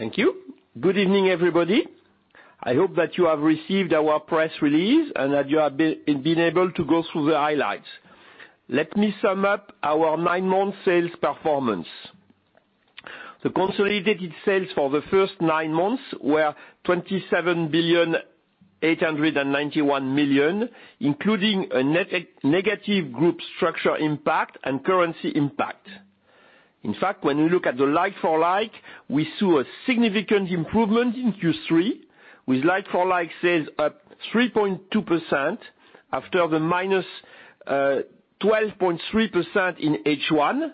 Thank you. Good evening, everybody. I hope that you have received our press release and that you have been able to go through the highlights. Let me sum up our nine-month sales performance. The consolidated sales for the first nine months were 27,891,000,000, including a negative group structure impact and currency impact. In fact, when we look at the like-for-like, we saw a significant improvement in Q3 with like-for-like sales up 3.2% after the -12.3% in H1,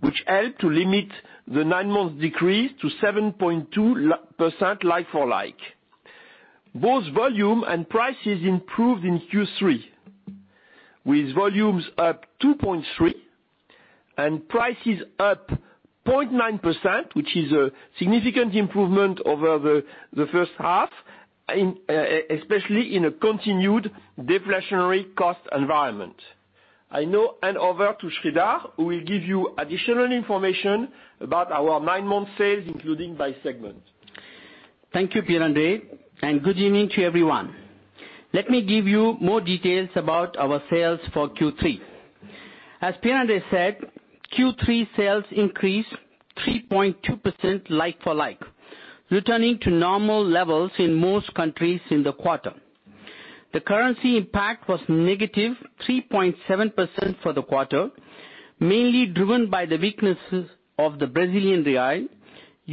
which helped to limit the nine-month decrease to 7.2% like-for-like. Both volume and prices improved in Q3, with volumes up 2.3% and prices up 0.9%, which is a significant improvement over the first half, especially in a continued deflationary cost environment. I now hand over to Sreedhar, who will give you additional information about our nine month sales, including by segment. Thank you, Pierre-André, and good evening to everyone. Let me give you more details about our sales for Q3. As Pierre-André said, Q3 sales increased 3.2% like-for-like, returning to normal levels in most countries in the quarter. The currency impact was -3.7% for the quarter, mainly driven by the weaknesses of the Brazilian real,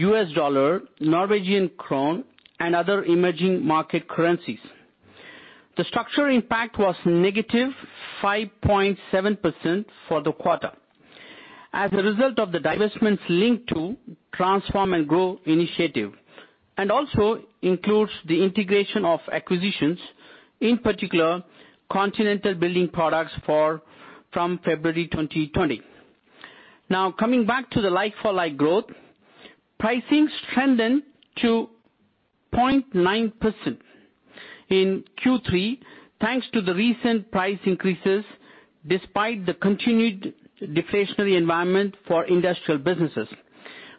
U.S. dollar, Norwegian krone, and other emerging market currencies. The structural impact was -5.7% for the quarter as a result of the divestments linked to Transform & Grow initiative, and also includes the integration of acquisitions, in particular, Continental Building Products from February 2020. Now, coming back to the like-for-like growth, pricing strengthened to 0.9% in Q3 thanks to the recent price increases, despite the continued deflationary environment for industrial businesses.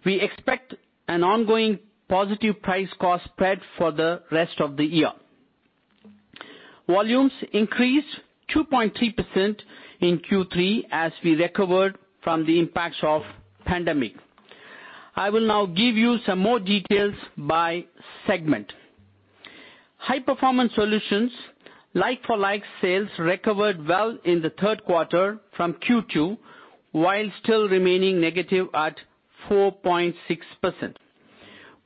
We expect an ongoing positive price cost spread for the rest of the year. Volumes increased 2.3% in Q3 as we recovered from the impacts of pandemic. I will now give you some more details by segment. High Performance Solutions like-for-like sales recovered well in the third quarter from Q2, while still remaining negative at 4.6%.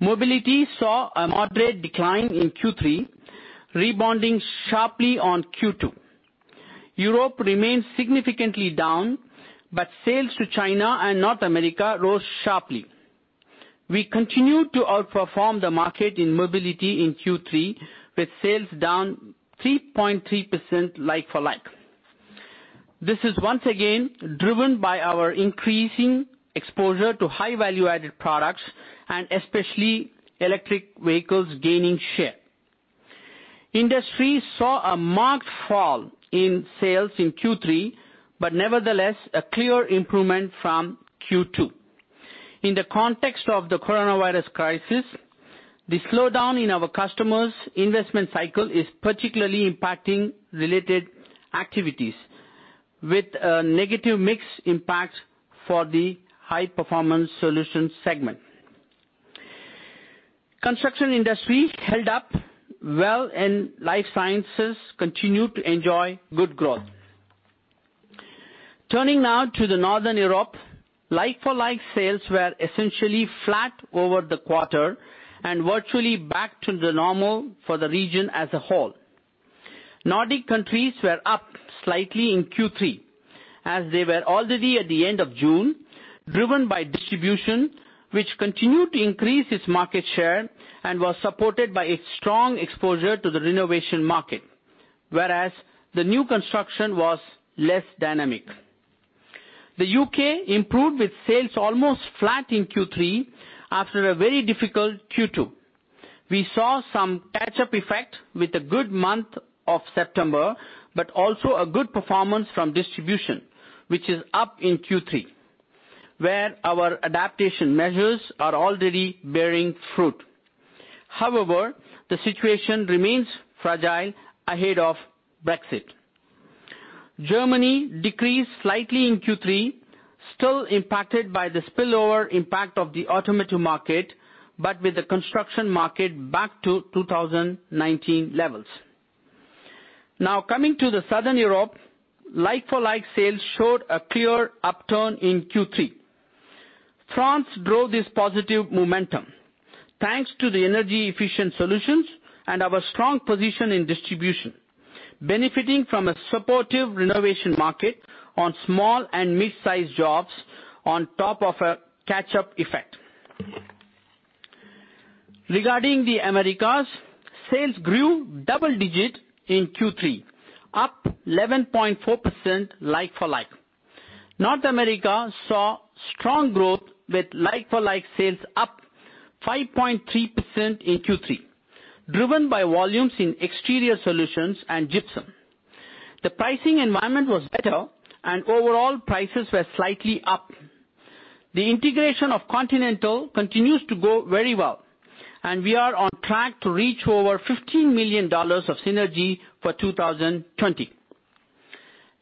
Mobility saw a moderate decline in Q3, rebounding sharply on Q2. Europe remains significantly down, but sales to China and North America rose sharply. We continue to outperform the market in Mobility in Q3 with sales down 3.3% like-for-like. This is once again driven by our increasing exposure to high value-added products and especially electric vehicles gaining share. Industry saw a marked fall in sales in Q3, but nevertheless, a clear improvement from Q2. In the context of the coronavirus crisis, the slowdown in our customers' investment cycle is particularly impacting related activities with a negative mix impact for the High Performance Solutions segment. Construction Industry held up well. Life Sciences continued to enjoy good growth. Turning now to the Northern Europe, like-for-like sales were essentially flat over the quarter and virtually back to the normal for the region as a whole. Nordic countries were up slightly in Q3, as they were already at the end of June, driven by distribution, which continued to increase its market share and was supported by a strong exposure to the renovation market, whereas the new construction was less dynamic. The U.K. improved with sales almost flat in Q3 after a very difficult Q2. We saw some catch-up effect with a good month of September, but also a good performance from distribution, which is up in Q3, where our adaptation measures are already bearing fruit. However, the situation remains fragile ahead of Brexit. Germany decreased slightly in Q3, still impacted by the spillover impact of the automotive market, but with the construction market back to 2019 levels. Coming to the Southern Europe, like-for-like sales showed a clear upturn in Q3. France drove this positive momentum thanks to the energy-efficient solutions and our strong position in distribution, benefiting from a supportive renovation market on small and mid-sized jobs on top of a catch-up effect. Regarding the Americas, sales grew double-digit in Q3, up 11.4% like-for-like. North America saw strong growth with like-for-like sales up 5.3% in Q3, driven by volumes in Exterior Solutions and Gypsum. The pricing environment was better, and overall prices were slightly up. The integration of Continental continues to go very well, and we are on track to reach over EUR 15 million of synergy for 2020.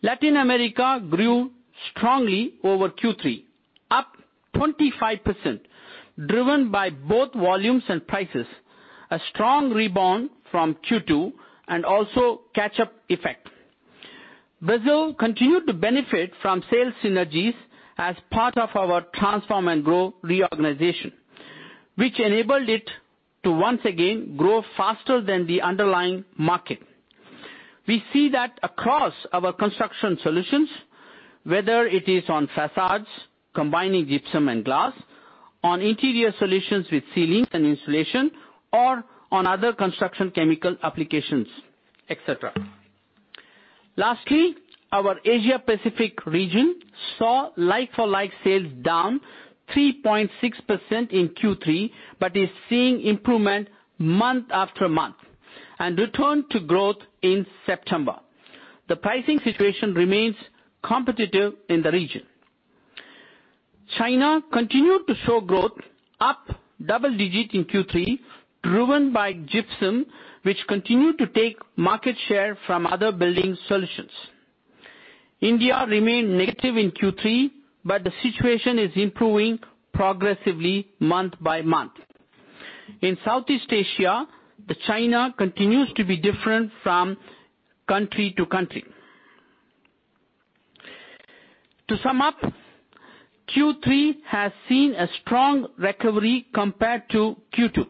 Latin America grew strongly over Q3, up 25%, driven by both volumes and prices. A strong rebound from Q2, and also catch-up effect. Brazil continued to benefit from sales synergies as part of our Transform & Grow reorganization, which enabled it to once again grow faster than the underlying market. We see that across our construction solutions, whether it is on facades, combining Gypsum and glass, on interior solutions with ceilings and insulation, or on other construction chemical applications, etc. Lastly, our Asia Pacific region saw like-for-like sales down 3.6% in Q3, but is seeing improvement month-after-month, and returned to growth in September. The pricing situation remains competitive in the region. China continued to show growth up double-digit in Q3, driven by Gypsum, which continued to take market share from other building solutions. India remained negative in Q3, the situation is improving progressively month-by-month. In Southeast Asia, China continues to be different from country to country. To sum up, Q3 has seen a strong recovery compared to Q2.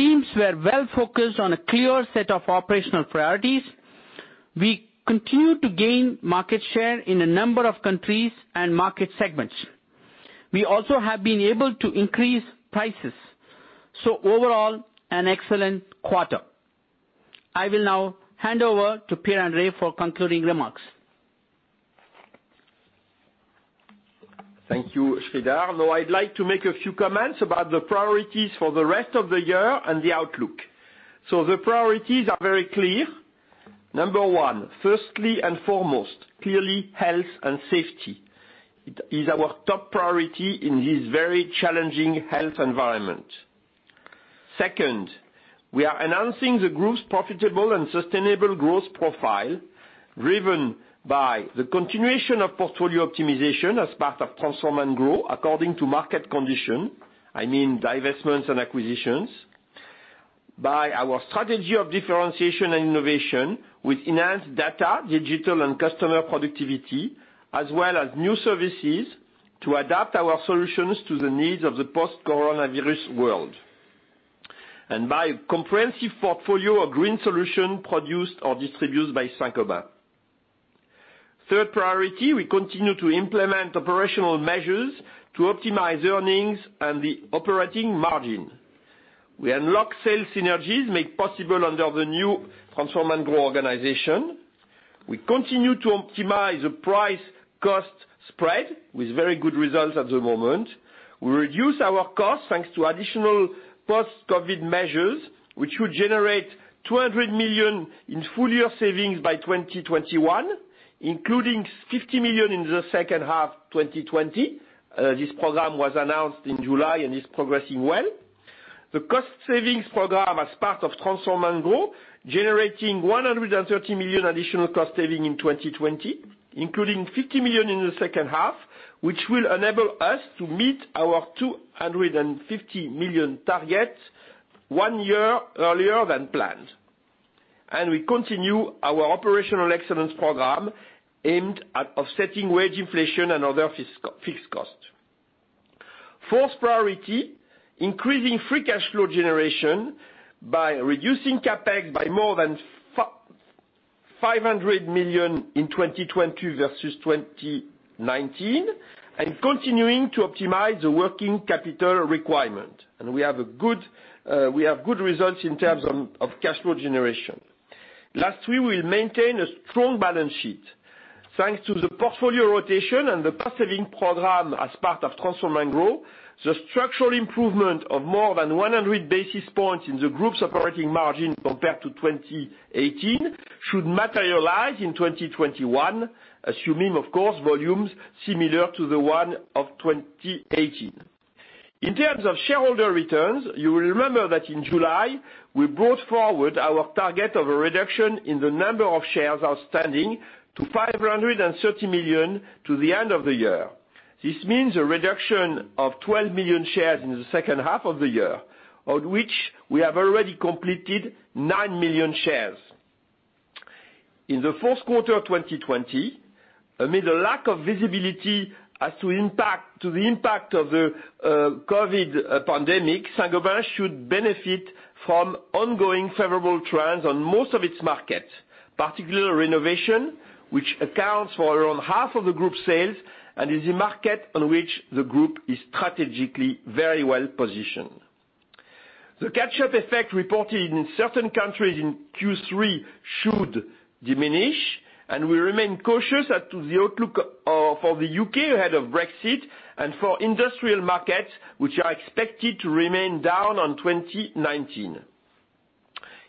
Teams were well-focused on a clear set of operational priorities. We continue to gain market share in a number of countries and market segments. We also have been able to increase prices. Overall, an excellent quarter. I will now hand over to Pierre-André for concluding remarks. Thank you, Sreedhar. Now I'd like to make a few comments about the priorities for the rest of the year and the outlook. The priorities are very clear. Number one, firstly and foremost, clearly health and safety is our top priority in this very challenging health environment. Second, we are announcing the group's profitable and sustainable growth profile, driven by the continuation of portfolio optimization as part of Transform & Grow according to market condition. I mean divestments and acquisitions. By our strategy of differentiation and innovation with enhanced data, digital and customer productivity, as well as new services to adapt our solutions to the needs of the post-coronavirus world. By a comprehensive portfolio of green solution produced or distributed by Saint-Gobain. Third priority, we continue to implement operational measures to optimize earnings and the operating margin. We unlock sales synergies made possible under the new Transform & Grow organization. We continue to optimize the price cost spread with very good results at the moment. We reduce our cost thanks to additional post-COVID measures, which will generate 200 million in full-year savings by 2021, including 50 million in the second half 2020. This program was announced in July and is progressing well. The cost savings program as part of Transform & Grow, generating 130 million additional cost saving in 2020, including 50 million in the second half, which will enable us to meet our 250 million target one year earlier than planned. We continue our operational excellence program aimed at offsetting wage inflation and other fixed cost. Fourth priority, increasing free cash flow generation by reducing CapEx by more than 500 million in 2020 versus 2019, and continuing to optimize the working capital requirement. We have good results in terms of cash flow generation. Lastly, we'll maintain a strong balance sheet. Thanks to the portfolio rotation and the cost-saving program as part of Transform & Grow, the structural improvement of more than 100 basis points in the group's operating margin compared to 2018 should materialize in 2021, assuming, of course, volumes similar to the one of 2018. In terms of shareholder returns, you will remember that in July, we brought forward our target of a reduction in the number of shares outstanding to 530 million to the end of the year. This means a reduction of 12 million shares in the second half of the year, of which we have already completed 9 million shares. In the fourth quarter 2020, amid a lack of visibility as to the impact of the COVID pandemic, Saint-Gobain should benefit from ongoing favorable trends on most of its markets, particularly renovation, which accounts for around half of the group sales and is a market on which the group is strategically very well-positioned. The catch-up effect reported in certain countries in Q3 should diminish. We remain cautious as to the outlook for the U.K. ahead of Brexit and for industrial markets, which are expected to remain down on 2019.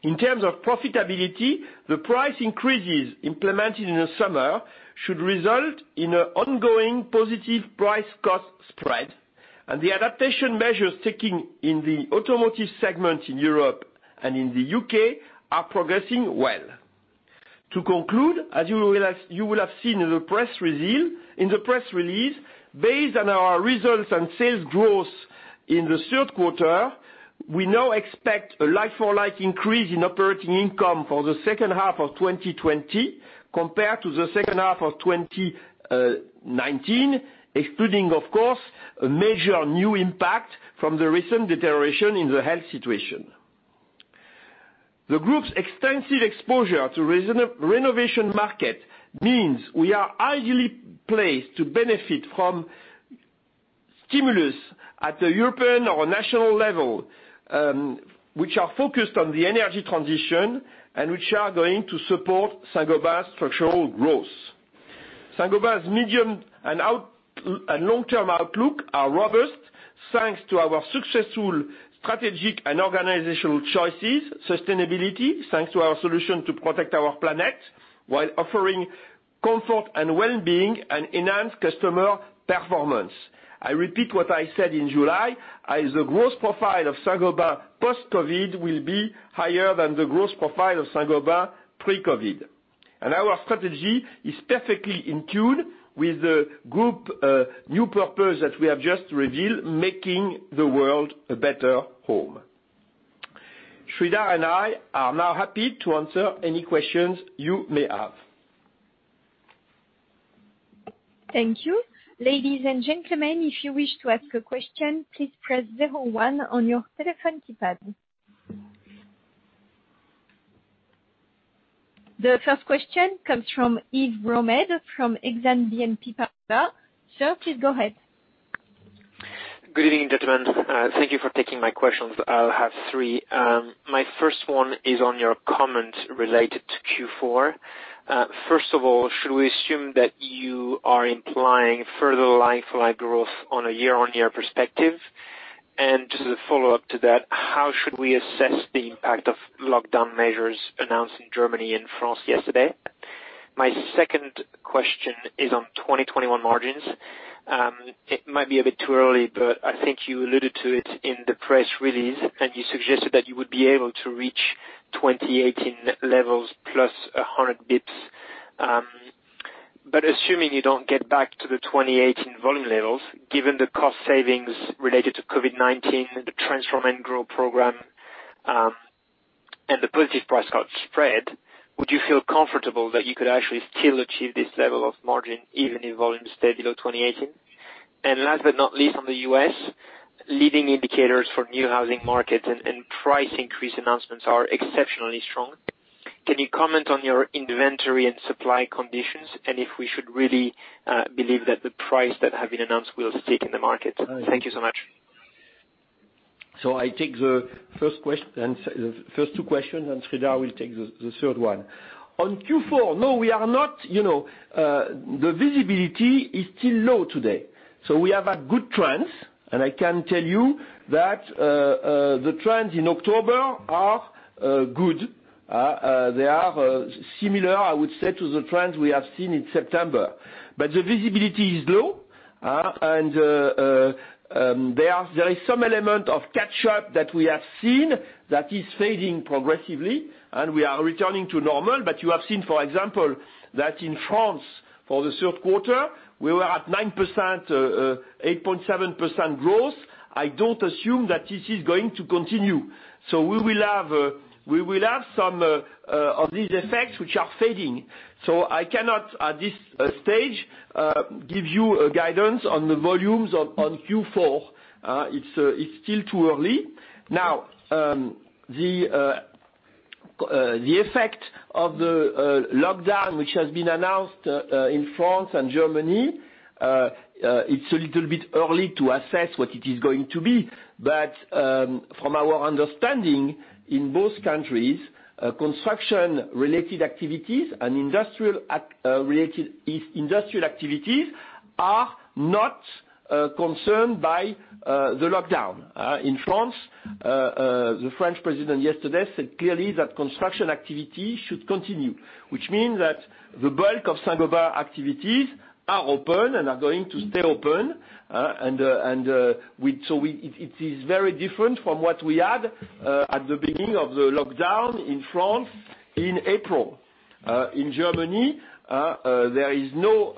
In terms of profitability, the price increases implemented in the summer should result in an ongoing positive price-cost spread, and the adaptation measures taking in the automotive segment in Europe and in the U.K. are progressing well. To conclude, as you will have seen in the press release, based on our results and sales growth in the third quarter, we now expect a like-for-like increase in operating income for the second half of 2020 compared to the second half of 2019, excluding, of course, a major new impact from the recent deterioration in the health situation. The Group's extensive exposure to renovation market means we are ideally placed to benefit from stimulus at the European or national level, which are focused on the energy transition and which are going to support Saint-Gobain's structural growth. Saint-Gobain's medium and long-term outlook are robust, thanks to our successful strategic and organizational choices, sustainability, thanks to our solution to protect our planet, while offering comfort and well-being and enhanced customer performance. I repeat what I said in July, as the growth profile of Saint-Gobain post-COVID will be higher than the growth profile of Saint-Gobain pre-COVID. Our strategy is perfectly in tune with the Group new purpose that we have just revealed, Making the World a Better Home. Sreedhar and I are now happy to answer any questions you may have. Thank you. Ladies and gentlemen, if you wish to ask a question, please press zero one on your telephone keypad. The first question comes from Yves Romed from Exane BNP Paribas. Sir, please go ahead. Good evening, gentlemen. Thank you for taking my questions. I'll have three. My first one is on your comment related to Q4. First of all, should we assume that you are implying further like-for-like growth on a year-on-year perspective? Just a follow-up to that, how should we assess the impact of lockdown measures announced in Germany and France yesterday? My second question is on 2021 margins. It might be a bit too early, but I think you alluded to it in the press release, and you suggested that you would be able to reach 2018 levels +100 basis points. Assuming you don't get back to the 2018 volume levels, given the cost savings related to COVID-19, the Transform & Grow program, and the positive price-cost spread, would you feel comfortable that you could actually still achieve this level of margin even if volumes stay below 2018? Last but not least, on the U.S., leading indicators for new housing markets and price increase announcements are exceptionally strong. Can you comment on your inventory and supply conditions, and if we should really believe that the price that have been announced will stick in the market? Thank you so much. I take the first two questions, and Sreedhar will take the third one. On Q4, no, we are not. The visibility is still low today. We have a good trend, and I can tell you that the trends in October are good. They are similar, I would say, to the trends we have seen in September. The visibility is low, and there is some element of catch-up that we have seen that is fading progressively, and we are returning to normal. You have seen, for example, that in France, for the third quarter, we were at 9%, 8.7% growth. I don't assume that this is going to continue. We will have some of these effects which are fading. I cannot, at this stage, give you a guidance on the volumes on Q4. It's still too early. Now, the effect of the lockdown, which has been announced in France and Germany, it's a little bit early to assess what it is going to be. From our understanding, in both countries, construction-related activities and industrial activities are not concerned by the lockdown. In France, the French president yesterday said clearly that construction activity should continue, which means that the bulk of Saint-Gobain activities are open and are going to stay open. It is very different from what we had at the beginning of the lockdown in France in April. In Germany, there is no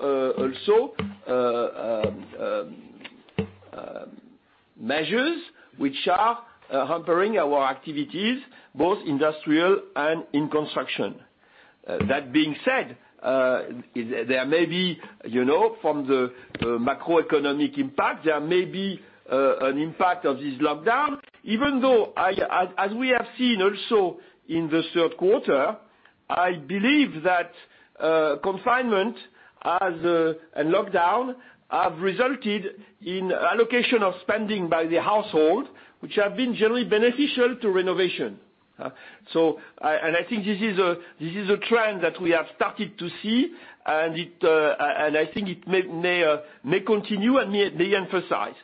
measures which are hampering our activities, both industrial and in construction. That being said, from the macroeconomic impact, there may be an impact of this lockdown. Even though, as we have seen also in the third quarter, I believe that confinement and lockdown have resulted in allocation of spending by the household, which have been generally beneficial to renovation. I think this is a trend that we have started to see, and I think it may continue and may emphasize.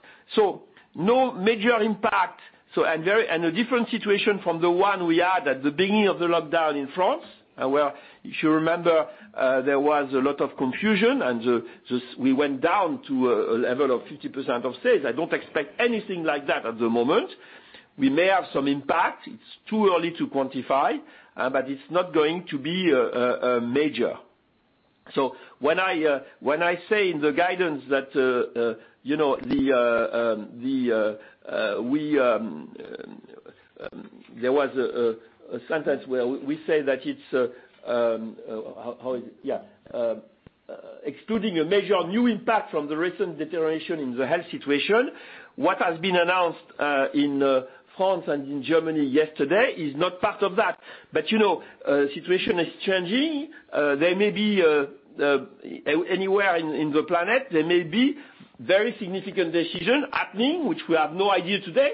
No major impact and a different situation from the one we had at the beginning of the lockdown in France, where if you remember, there was a lot of confusion, and we went down to a level of 50% of sales. I don't expect anything like that at the moment. We may have some impact. It's too early to quantify, but it's not going to be major. When I say in the guidance that it's excluding a major new impact from the recent deterioration in the health situation, what has been announced in France and in Germany yesterday is not part of that. The situation is changing. Anywhere in the planet, there may be very significant decision happening, which we have no idea today.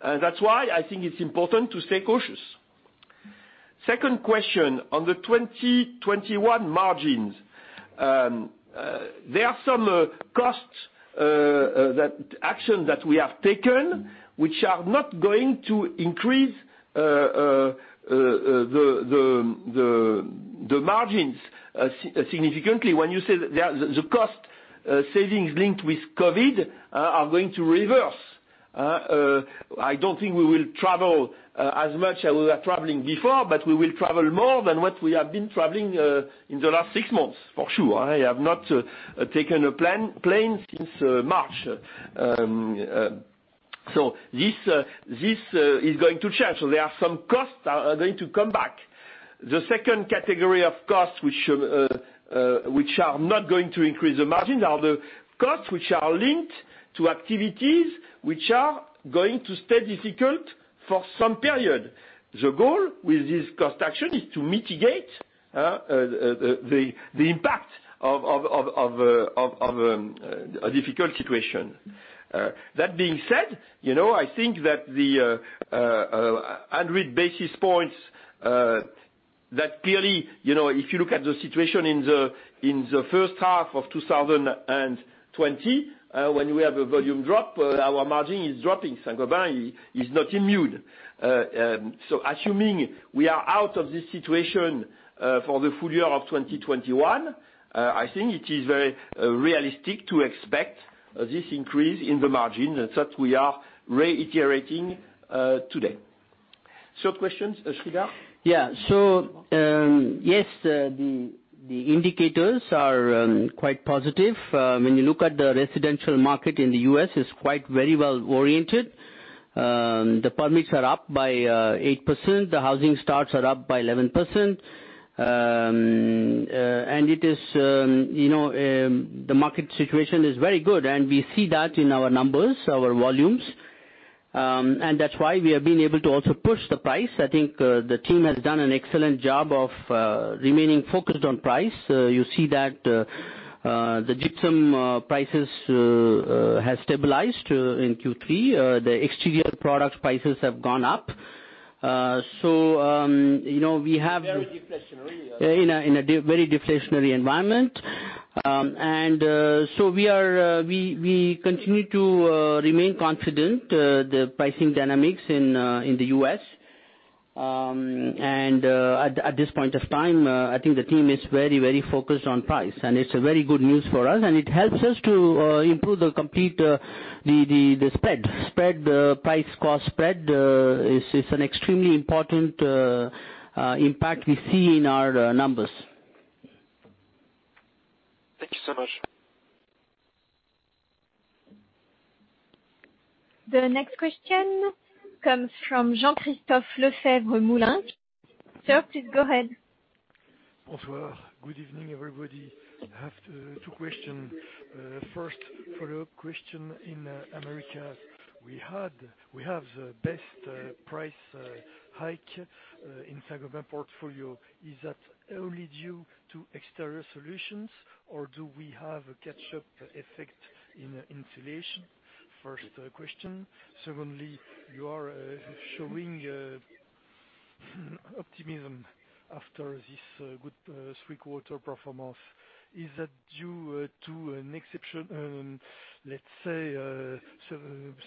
That's why I think it's important to stay cautious. Second question, on the 2021 margins. There are some cost actions that we have taken, which are not going to increase the margins significantly. When you say that the cost savings linked with COVID are going to reverse, I don't think we will travel as much as we were traveling before, but we will travel more than what we have been traveling in the last six months, for sure. I have not taken a plane since March. This is going to change. There are some costs are going to come back. The second category of costs, which are not going to increase the margin, are the costs which are linked to activities which are going to stay difficult for some period. The goal with this cost action is to mitigate the impact of a difficult situation. That being said, I think that the 100 basis points, that clearly, if you look at the situation in the first half of 2020, when we have a volume drop, our margin is dropping. Saint-Gobain is not immune. Assuming we are out of this situation, for the full year of 2021, I think it is very realistic to expect this increase in the margin, and that we are reiterating today. Questions, Sreedhar? Yeah. Yes, the indicators are quite positive. When you look at the residential market in the U.S., it's quite very well oriented. The permits are up by 8%, the housing starts are up by 11%. The market situation is very good, and we see that in our numbers, our volumes. That's why we have been able to also push the price. I think the team has done an excellent job of remaining focused on price. You see that the Gypsum prices have stabilized in Q3. The exterior product prices have gone up. Very deflationary. in a very deflationary environment. We continue to remain confident the pricing dynamics in the U.S. At this point of time, I think the team is very focused on price, and it's a very good news for us, and it helps us to improve the spread. Price cost spread is an extremely important impact we see in our numbers. Thank you so much. The next question comes from Jean-Christophe Lefèvre-Moulenq. Sir, please go ahead. Good evening, everybody. I have two questions. First follow-up question, in America, we have the best price hike in Saint-Gobain portfolio. Is that only due to Exterior Solutions or do we have a catch-up effect in insulation? First question. Secondly, you are showing optimism after this good three quarter performance. Is that due to an exception, let's say,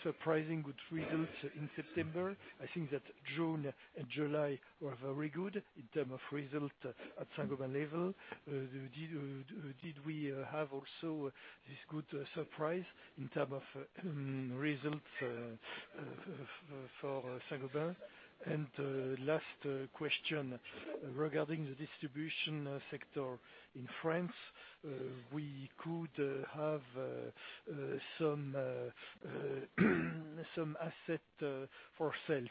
surprising good results in September? I think that June and July were very good in terms of results at Saint-Gobain level. Did we have also this good surprise in terms of results for Saint-Gobain? Last question, regarding the distribution sector in France, we could have some assets for sale,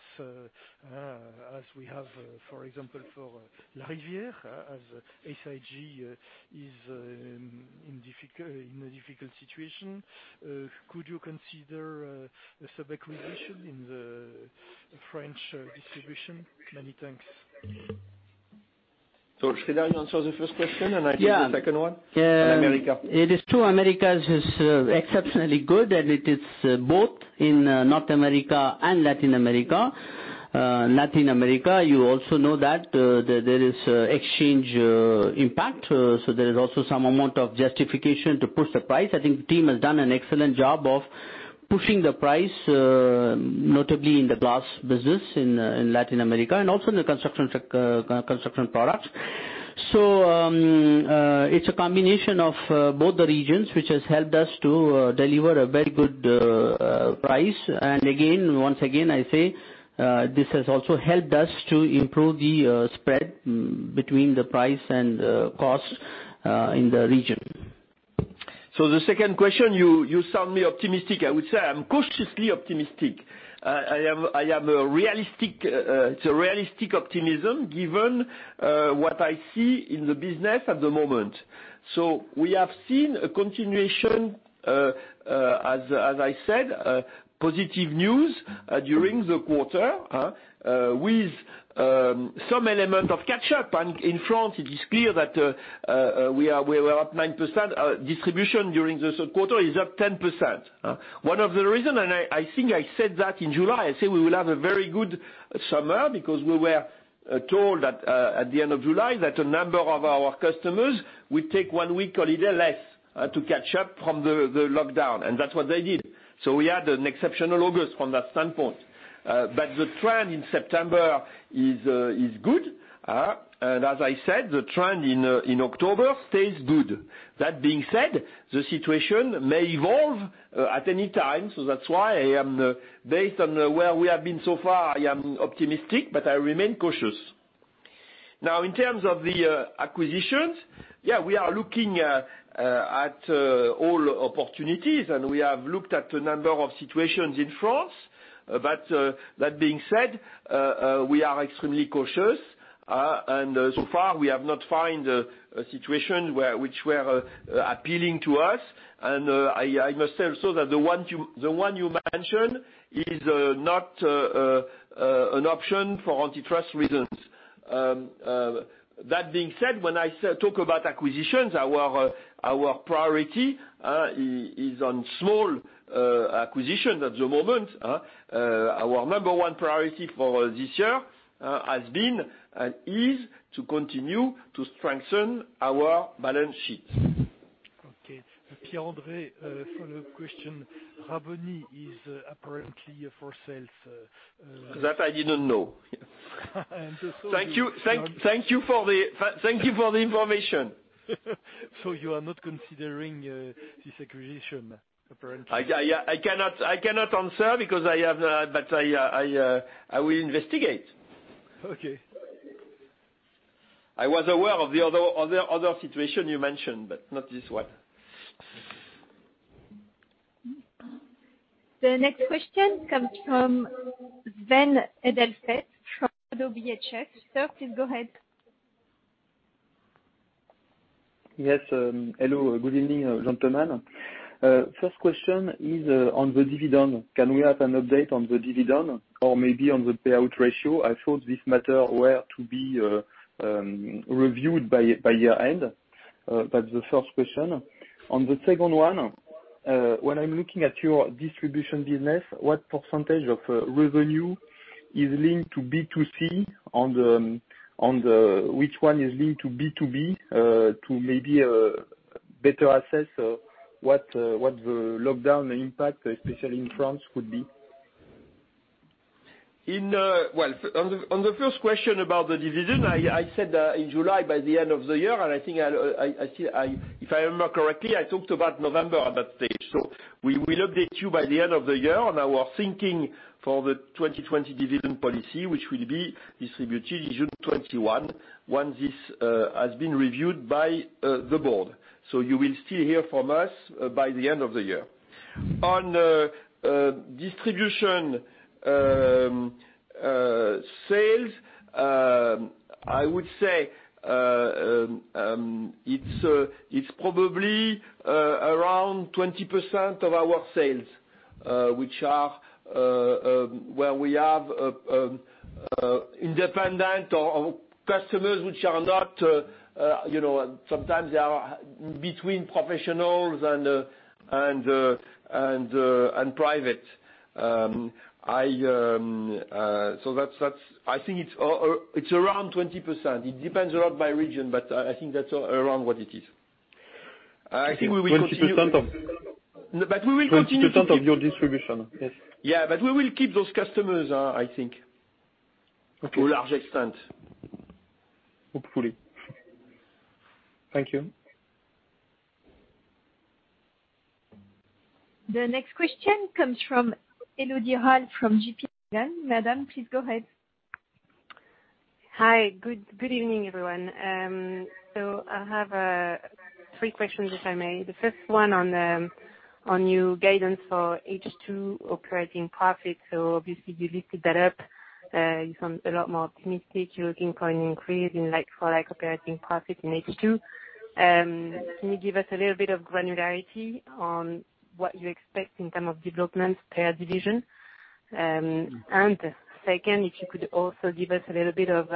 as we have, for example, for Lapeyre, as SIG is in a difficult situation, could you consider a sub-acquisition in the French distribution? Many thanks. Should I answer the first question and I take the second one? Yeah. America. It is true Americas is exceptionally good, and it is both in North America and Latin America. Latin America, you also know that there is exchange impact, so there is also some amount of justification to push the price. I think the team has done an excellent job of pushing the price, notably in the glass business in Latin America and also in the construction products. It's a combination of both the regions which has helped us to deliver a very good price. Once again, I say, this has also helped us to improve the spread between the price and cost in the region. The second question, you sound me optimistic. I would say I'm cautiously optimistic. It's a realistic optimism given what I see in the business at the moment. We have seen a continuation, as I said, positive news during the quarter, with some element of catch-up. In France, it is clear that we are up 9%. Distribution during the third quarter is up 10%. One of the reasons, and I think I said that in July, I said we will have a very good summer because we were told at the end of July that a number of our customers will take one week holiday less to catch up from the lockdown, and that's what they did. We had an exceptional August from that standpoint. The trend in September is good. As I said, the trend in October stays good. That being said, the situation may evolve at any time. That's why, based on where we have been so far, I am optimistic, but I remain cautious. In terms of the acquisitions, we are looking at all opportunities, and we have looked at a number of situations in France. That being said, we are extremely cautious. So far, we have not found a situation which were appealing to us. I must tell so that the one you mentioned is not an option for antitrust reasons. That being said, when I talk about acquisitions, our priority is on small acquisitions at the moment. Our number one priority for this year has been and is to continue to strengthen our balance sheet. Okay. Pierre-André, follow question. Raboni is apparently for sale. That I didn't know. And so- Thank you for the information. You are not considering this acquisition, apparently. I cannot answer but I will investigate. Okay. I was aware of the other situation you mentioned, but not this one. The next question comes from Sven Edelfelt from ODDO BHF. Sir, please go ahead. Yes. Hello, good evening, gentlemen. First question is on the dividend. Can we have an update on the dividend or maybe on the payout ratio? I thought this matter were to be reviewed by year-end. That's the first question. The second one, when I'm looking at your distribution business, what percentage of revenue is linked to B2C? Which one is linked to B2B to maybe better assess what the lockdown impact, especially in France, could be? On the first question about the dividend, I said in July by the end of the year, and I think, if I remember correctly, I talked about November at that stage. We will update you by the end of the year on our thinking for the 2020 dividend policy, which will be distributed in June 2021, once this has been reviewed by the board. You will still hear from us by the end of the year. On distribution sales, I would say it's probably around 20% of our sales, where we have independent or customers which are not. Sometimes they are between professionals and private. I think it's around 20%. It depends a lot by region, but I think that's around what it is. 20% of- We will continue to keep. 20% of your distribution. Yes. Yeah, we will keep those customers, I think. Okay. To a large extent. Hopefully. Thank you. The next question comes from Elodie Rall from JPMorgan. Madam, please go ahead. Hi. Good evening, everyone. I have three questions, if I may. The first one on your guidance for H2 operating profit. Obviously you lifted that up. You sound a lot more optimistic. You're looking for an increase in operating profit in H2. Can you give us a little bit of granularity on what you expect in terms of development per division? Second, if you could also give us a little bit of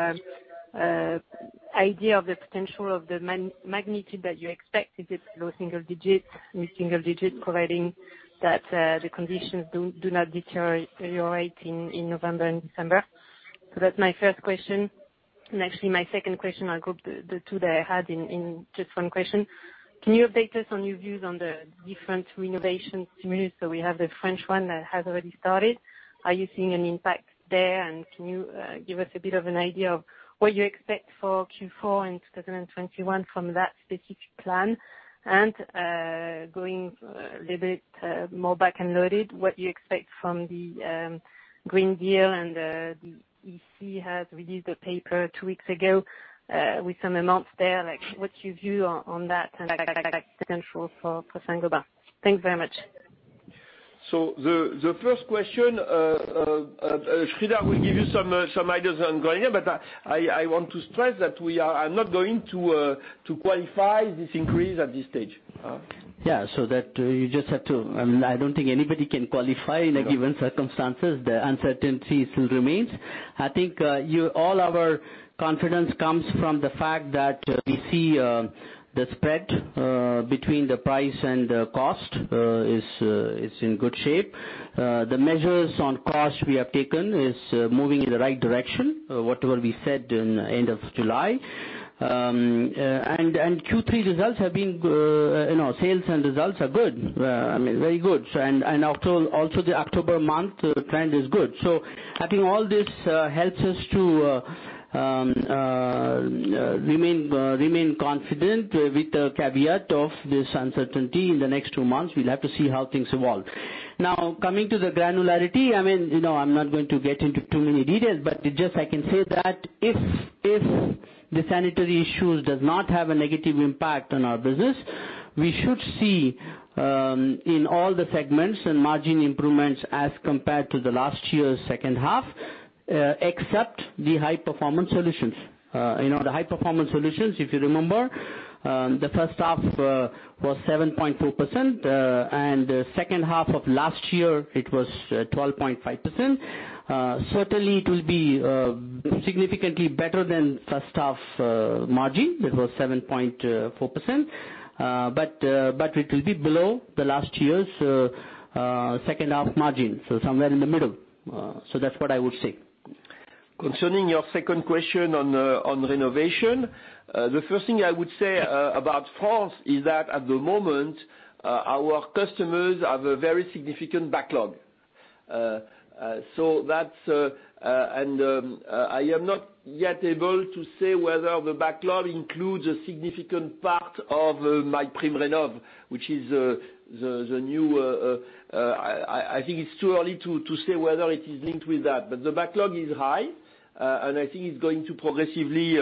idea of the potential of the magnitude that you expect, if it's low single-digit, mid single-digit, providing that the conditions do not deteriorate in November and December. That's my first question. Actually my second question, I'll group the two that I had in just one question. Can you update us on your views on the different renovation stimulus? We have the French one that has already started. Are you seeing an impact there? Can you give us a bit of an idea of what you expect for Q4 in 2021 from that specific plan? Going a little bit more back and loaded, what you expect from the Green Deal and the EC has released a paper two weeks ago, with some amounts there, like what's your view on that and potential for Saint-Gobain? Thanks very much. The first question, Sreedhar will give you some ideas on going, but I want to stress that I'm not going to qualify this increase at this stage. Yeah. I don't think anybody can qualify in a given circumstances, the uncertainty still remains. I think all our confidence comes from the fact that we see the spread between the price and the cost is in good shape. The measures on cost we have taken is moving in the right direction. Whatever we said in end of July. Q3 results have been sales and results are good. I mean, very good. Also the October month trend is good. I think all this helps us to remain confident with the caveat of this uncertainty in the next two months. We'll have to see how things evolve. Coming to the granularity, I'm not going to get into too many details, but I can say that if the sanitary issues does not have a negative impact on our business, we should see, in all the segments and margin improvements as compared to the last year's second half, except the High Performance Solutions. The High Performance Solutions, if you remember, the first half was 7.4%, and the second half of last year, it was 12.5%. Certainly, it will be significantly better than first half margin, that was 7.4%, but it will be below the last year's second half margin. Somewhere in the middle. That's what I would say. Concerning your second question on renovation. The first thing I would say about France is that at the moment, our customers have a very significant backlog. I am not yet able to say whether the backlog includes a significant part of MaPrimeRénov', which is I think it's too early to say whether it is linked with that. The backlog is high, and I think it's going to progressively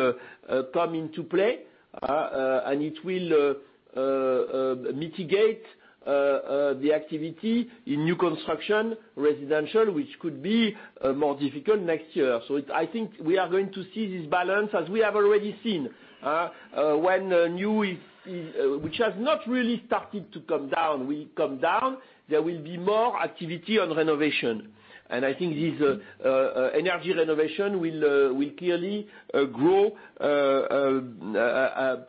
come into play. It will mitigate the activity in new construction, residential, which could be more difficult next year. I think we are going to see this balance, as we have already seen. Which has not really started to come down. Will it come down? There will be more activity on renovation. I think this energy renovation will clearly grow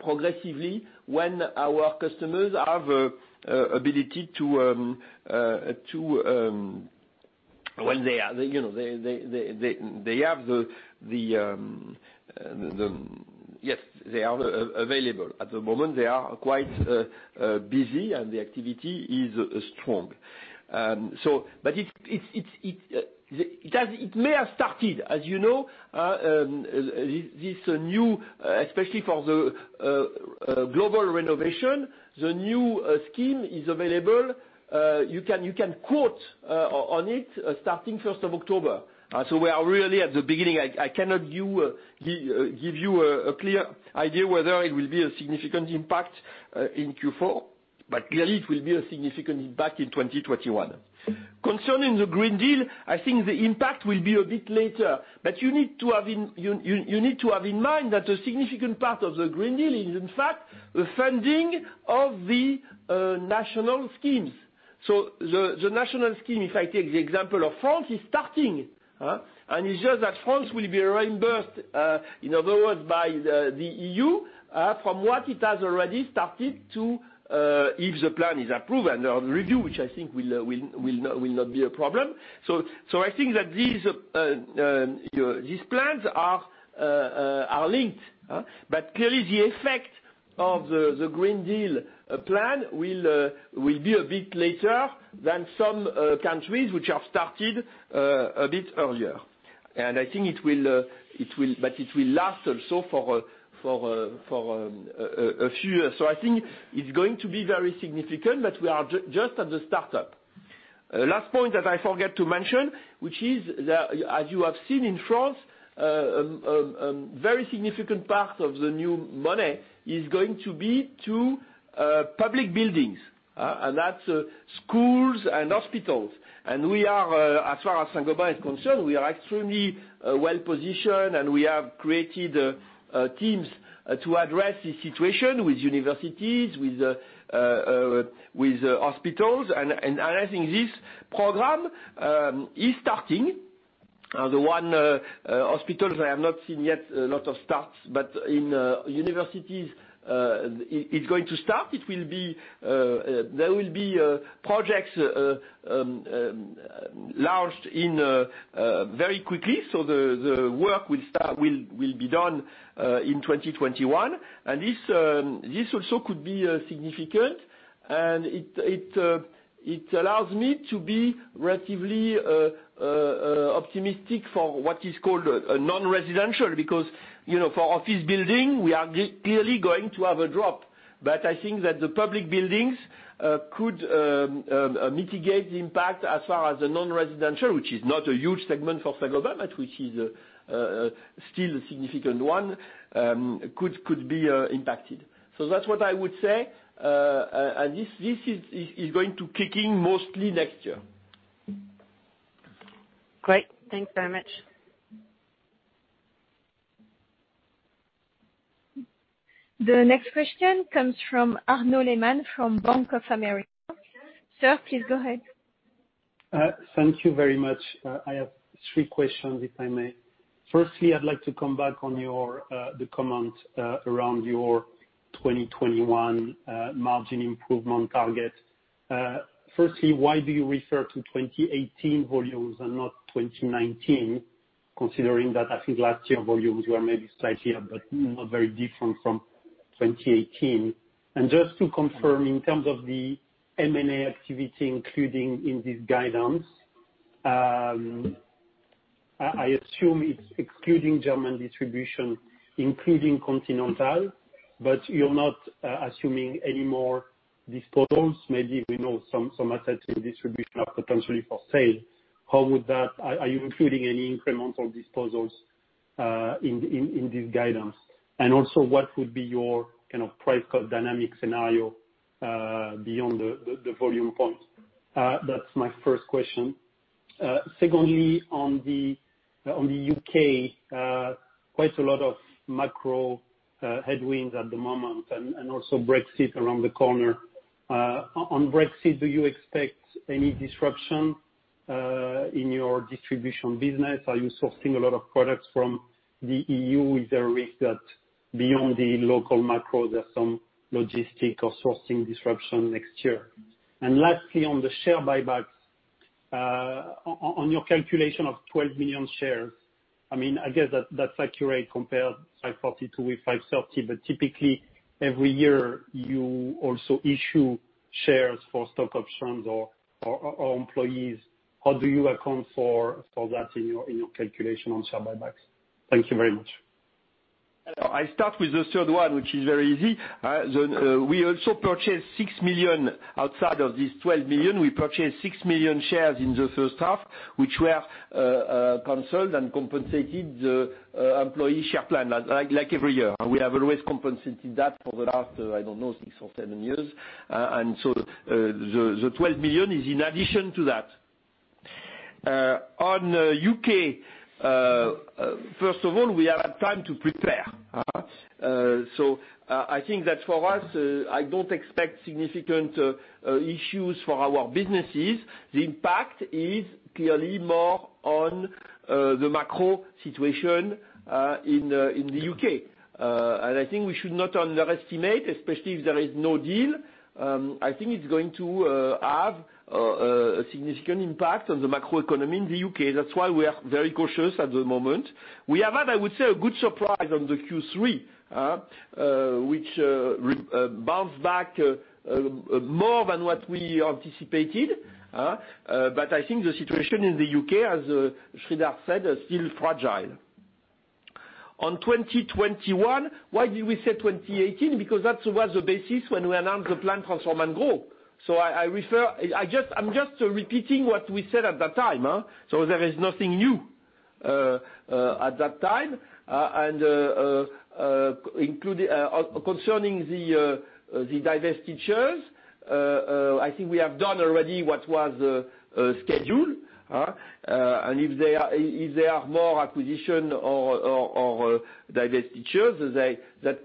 progressively when our customers are available. At the moment, they are quite busy, and the activity is strong. It may have started. As you know, especially for the global renovation, MaPrimeRénov' is available. You can quote on it starting October 1st. We are really at the beginning. I cannot give you a clear idea whether it will be a significant impact in Q4. Clearly, it will be a significant impact in 2021. Concerning the Green Deal, I think the impact will be a bit later. You need to have in mind that a significant part of the Green Deal is, in fact, the funding of the national schemes. The national scheme, if I take the example of France, is starting. It's just that France will be reimbursed, in other words, by the EU, from what it has already started to if the plan is approved and/or the review, which I think will not be a problem. I think that these plans are linked. Clearly, the effect of the Green Deal plan will be a bit later than some countries which have started a bit earlier. It will last also for a few years. I think it's going to be very significant, but we are just at the startup. Last point that I forgot to mention, which is that as you have seen in France, a very significant part of the new money is going to be to public buildings, and that's schools and hospitals. As far as Saint-Gobain is concerned, we are extremely well-positioned, and we have created teams to address the situation with universities, with hospitals, and I think this program is starting. The one hospital I have not seen yet a lot of starts, but in universities, it's going to start. There will be projects launched very quickly. The work will be done in 2021. This also could be significant. It allows me to be relatively optimistic for what is called a non-residential, because for office building, we are clearly going to have a drop. I think that the public buildings could mitigate the impact as far as the non-residential, which is not a huge segment for Saint-Gobain, but which is still a significant one, could be impacted. That's what I would say. This is going to kick in mostly next year. Great. Thanks very much. The next question comes from Arnaud Lehmann from Bank of America. Sir, please go ahead. Thank you very much. I have three questions, if I may. Firstly, I'd like to come back on the comment around your 2021 margin improvement target. Firstly, why do you refer to 2018 volumes and not 2019, considering that I think last year volumes were maybe slightly up, but not very different from 2018? Just to confirm, in terms of the M&A activity including in this guidance, I assume it's excluding German distribution, including Continental, but you're not assuming any more disposals. Maybe we know some assets in distribution are potentially for sale. Are you including any incremental disposals in this guidance? What would be your kind of price cut dynamic scenario beyond the volume point? That's my first question. Secondly, on the U.K., quite a lot of macro headwinds at the moment and also Brexit around the corner. On Brexit, do you expect any disruption in your distribution business? Are you sourcing a lot of products from the EU? Is there a risk that beyond the local macro, there is some logistic or sourcing disruption next year? Lastly, on the share buybacks, on your calculation of 12 million shares, I guess that is accurate compared 542 million with 530 million, but typically every year you also issue shares for stock options or employees. How do you account for that in your calculation on share buybacks? Thank you very much. I start with the third one, which is very easy. We also purchased 6 million outside of this 12 million. We purchased 6 million shares in the first half, which were canceled and compensated the employee share plan, like every year. We have always compensated that for the last, I don't know, six or seven years. So the 12 million is in addition to that. On U.K., first of all, we have had time to prepare. I think that for us, I don't expect significant issues for our businesses. The impact is clearly more on the macro situation in the U.K. I think we should not underestimate, especially if there is no deal, I think it's going to have a significant impact on the macroeconomy in the U.K. That's why we are very cautious at the moment. We have had, I would say, a good surprise on the Q3, which bounced back more than what we anticipated. I think the situation in the U.K., as Sreedhar said, is still fragile. On 2021, why did we say 2018? That was the basis when we announced the plan Transform & Grow. I'm just repeating what we said at that time. There is nothing new at that time. Concerning the divestitures, I think we have done already what was scheduled. If there are more acquisition or divestitures, that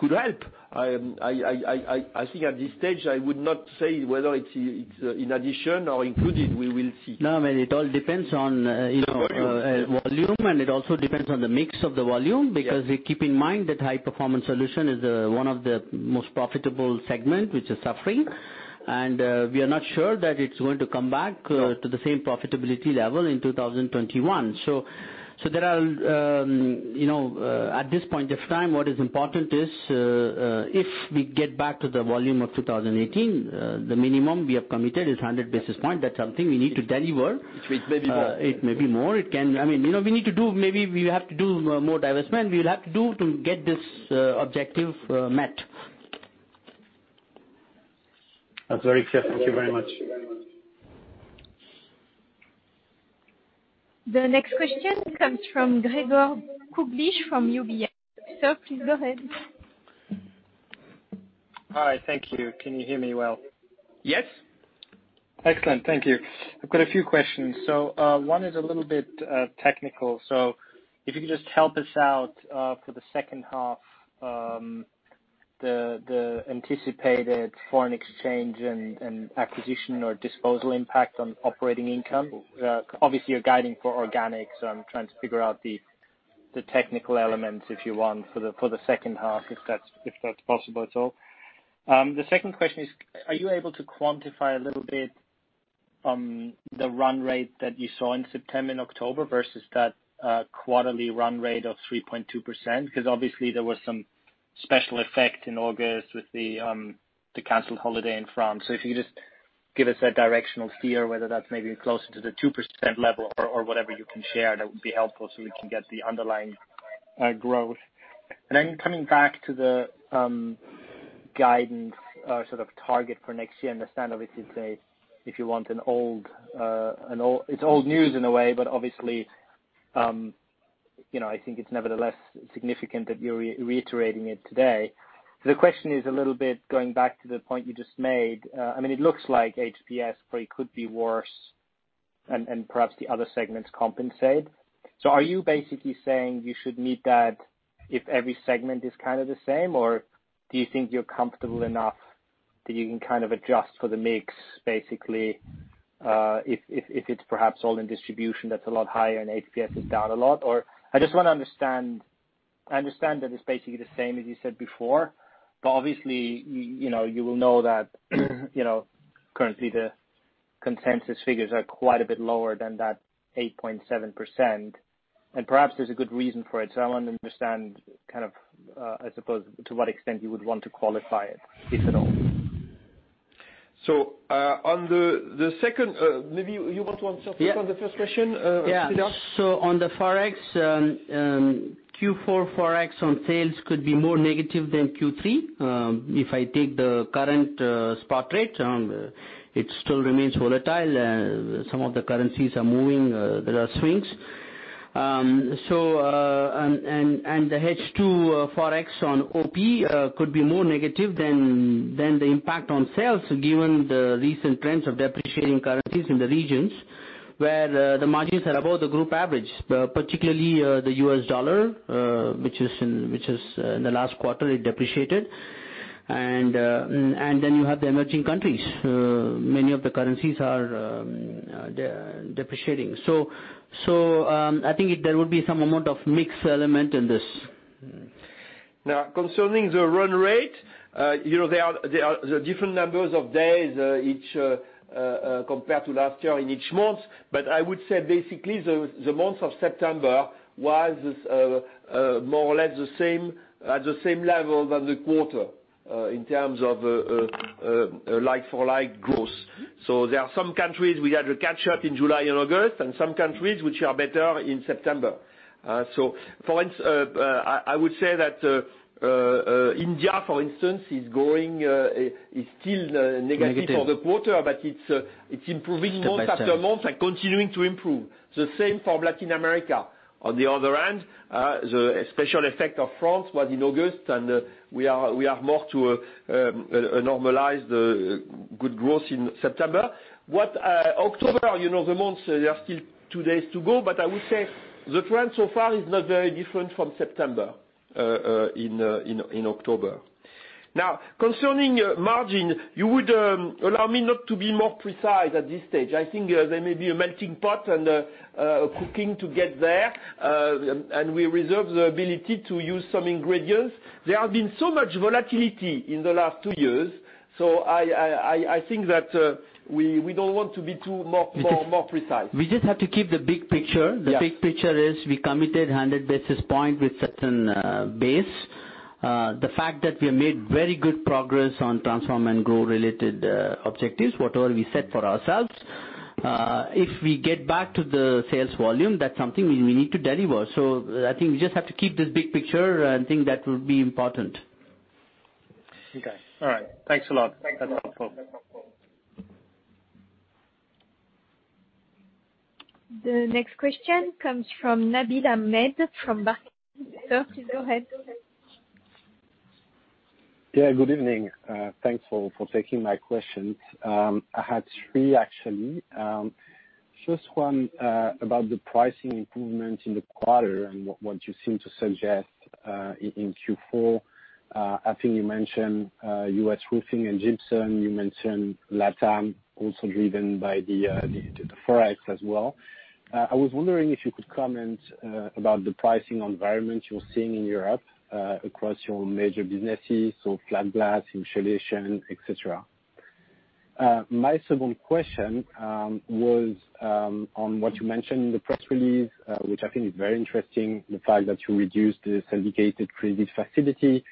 could help. I think at this stage, I would not say whether it's in addition or included, we will see. No, man, it all depends on volume, and it also depends on the mix of the volume, because keep in mind that High Performance Solutions is one of the most profitable segment which is suffering. We are not sure that it's going to come back to the same profitability level in 2021. At this point of time, what is important is if we get back to the volume of 2018, the minimum we have committed is 100 basis points. That's something we need to deliver. It may be more. It may be more. Maybe we have to do more divestment. We'll have to do to get this objective met. That's very clear. Thank you very much. The next question comes from Gregor Kuglitsch from UBS. Sir, please go ahead. Hi. Thank you. Can you hear me well? Yes. Excellent. Thank you. I've got a few questions. One is a little bit technical, so if you could just help us out, for the second half, the anticipated foreign exchange and acquisition or disposal impact on operating income. Obviously, you're guiding for organic, so I'm trying to figure out the technical elements, if you want, for the second half, if that's possible at all. The second question is, are you able to quantify a little bit on the run rate that you saw in September and October versus that quarterly run rate of 3.2%? Obviously there was some special effect in August with the canceled holiday in France. If you could just give us a directional steer, whether that's maybe closer to the 2% level or whatever you can share, that would be helpful so we can get the underlying growth. Coming back to the guidance sort of target for next year, I understand obviously if you want, it's old news in a way, but obviously, I think it's nevertheless significant that you're reiterating it today. The question is a little bit going back to the point you just made. It looks like HPS probably could be worse and perhaps the other segments compensate. Are you basically saying you should meet that if every segment is kind of the same, or do you think you're comfortable enough that you can kind of adjust for the mix, basically, if it's perhaps all in distribution that's a lot higher and HPS is down a lot? I understand that it's basically the same as you said before, but obviously, you will know that currently the consensus figures are quite a bit lower than that 8.7%, and perhaps there's a good reason for it. I want to understand kind of, I suppose, to what extent you would want to qualify it, if at all. Maybe you want to answer the first question, Sreedhar? Yeah. On the forex, Q4 forex on sales could be more negative than Q3. If I take the current spot rate, it still remains volatile. Some of the currencies are moving, there are swings. The H2 forex on OP could be more negative than the impact on sales given the recent trends of depreciating currencies in the regions where the margins are above the group average, particularly the U.S. dollar, which in the last quarter it depreciated. You have the emerging countries. Many of the currencies are depreciating. I think there would be some amount of mix element in this. Now concerning the run rate, there are different numbers of days compared to last year in each month. I would say basically, the month of September was more or less at the same level as the quarter in terms of like-for-like growth. There are some countries we had to catch up in July and August, and some countries which are better in September. I would say that India, for instance, is still negative for the quarter, but it's improving month after month and continuing to improve. The same for Latin America. On the other hand, the special effect of France was in August, and we are more to a normalized good growth in September. October, the month, there are still two days to go, but I would say the trend so far is not very different from September in October. Concerning margin, you would allow me not to be more precise at this stage. I think there may be a melting pot and cooking to get there, and we reserve the ability to use some ingredients. There has been so much volatility in the last two years, so I think that we don't want to be too more precise. We just have to keep the big picture. Yeah. The big picture is we committed 100 basis points with certain base. The fact that we have made very good progress on Transform & Grow related objectives, whatever we set for ourselves. If we get back to the sales volume, that's something we need to deliver. I think we just have to keep this big picture and think that will be important. Okay. All right. Thanks a lot. That's helpful. The next question comes from Nabil Ahmed from Barclays. Sir, please go ahead. Yeah, good evening. Thanks for taking my questions. I had three, actually. First one, about the pricing improvement in the quarter and what you seem to suggest, in Q4. I think you mentioned, U.S. roofing and Gypsum, you mentioned Latam also driven by the forex as well. I was wondering if you could comment about the pricing environment you're seeing in Europe, across your major businesses, so flat glass, insulation, et cetera. My second question was on what you mentioned in the press release, which I think is very interesting, the fact that you reduced the syndicated credit facility,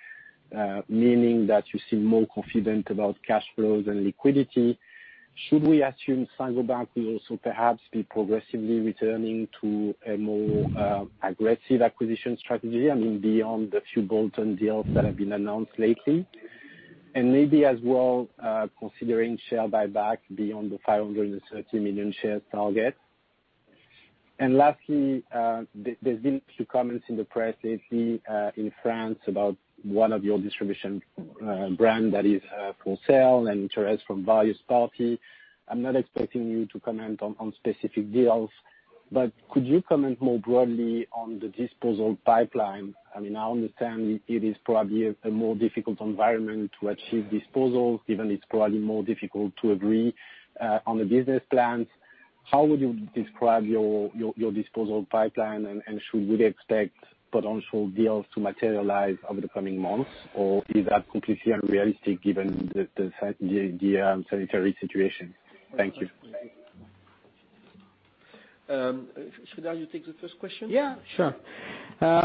meaning that you seem more confident about cash flows and liquidity. Should we assume Saint-Gobain will also perhaps be progressively returning to a more aggressive acquisition strategy? I mean, beyond the few bolt-on deals that have been announced lately, and maybe as well considering share buyback beyond the 530 million share target. Lastly, there's been a few comments in the press lately in France about one of your distribution brand that is for sale and interest from various party. I'm not expecting you to comment on specific deals, but could you comment more broadly on the disposal pipeline? I understand it is probably a more difficult environment to achieve disposals, given it's probably more difficult to agree on the business plans. How would you describe your disposal pipeline? Should we expect potential deals to materialize over the coming months? Is that completely unrealistic given the sanitary situation? Thank you. Sreedhar, you take the first question? Yeah, sure. Price,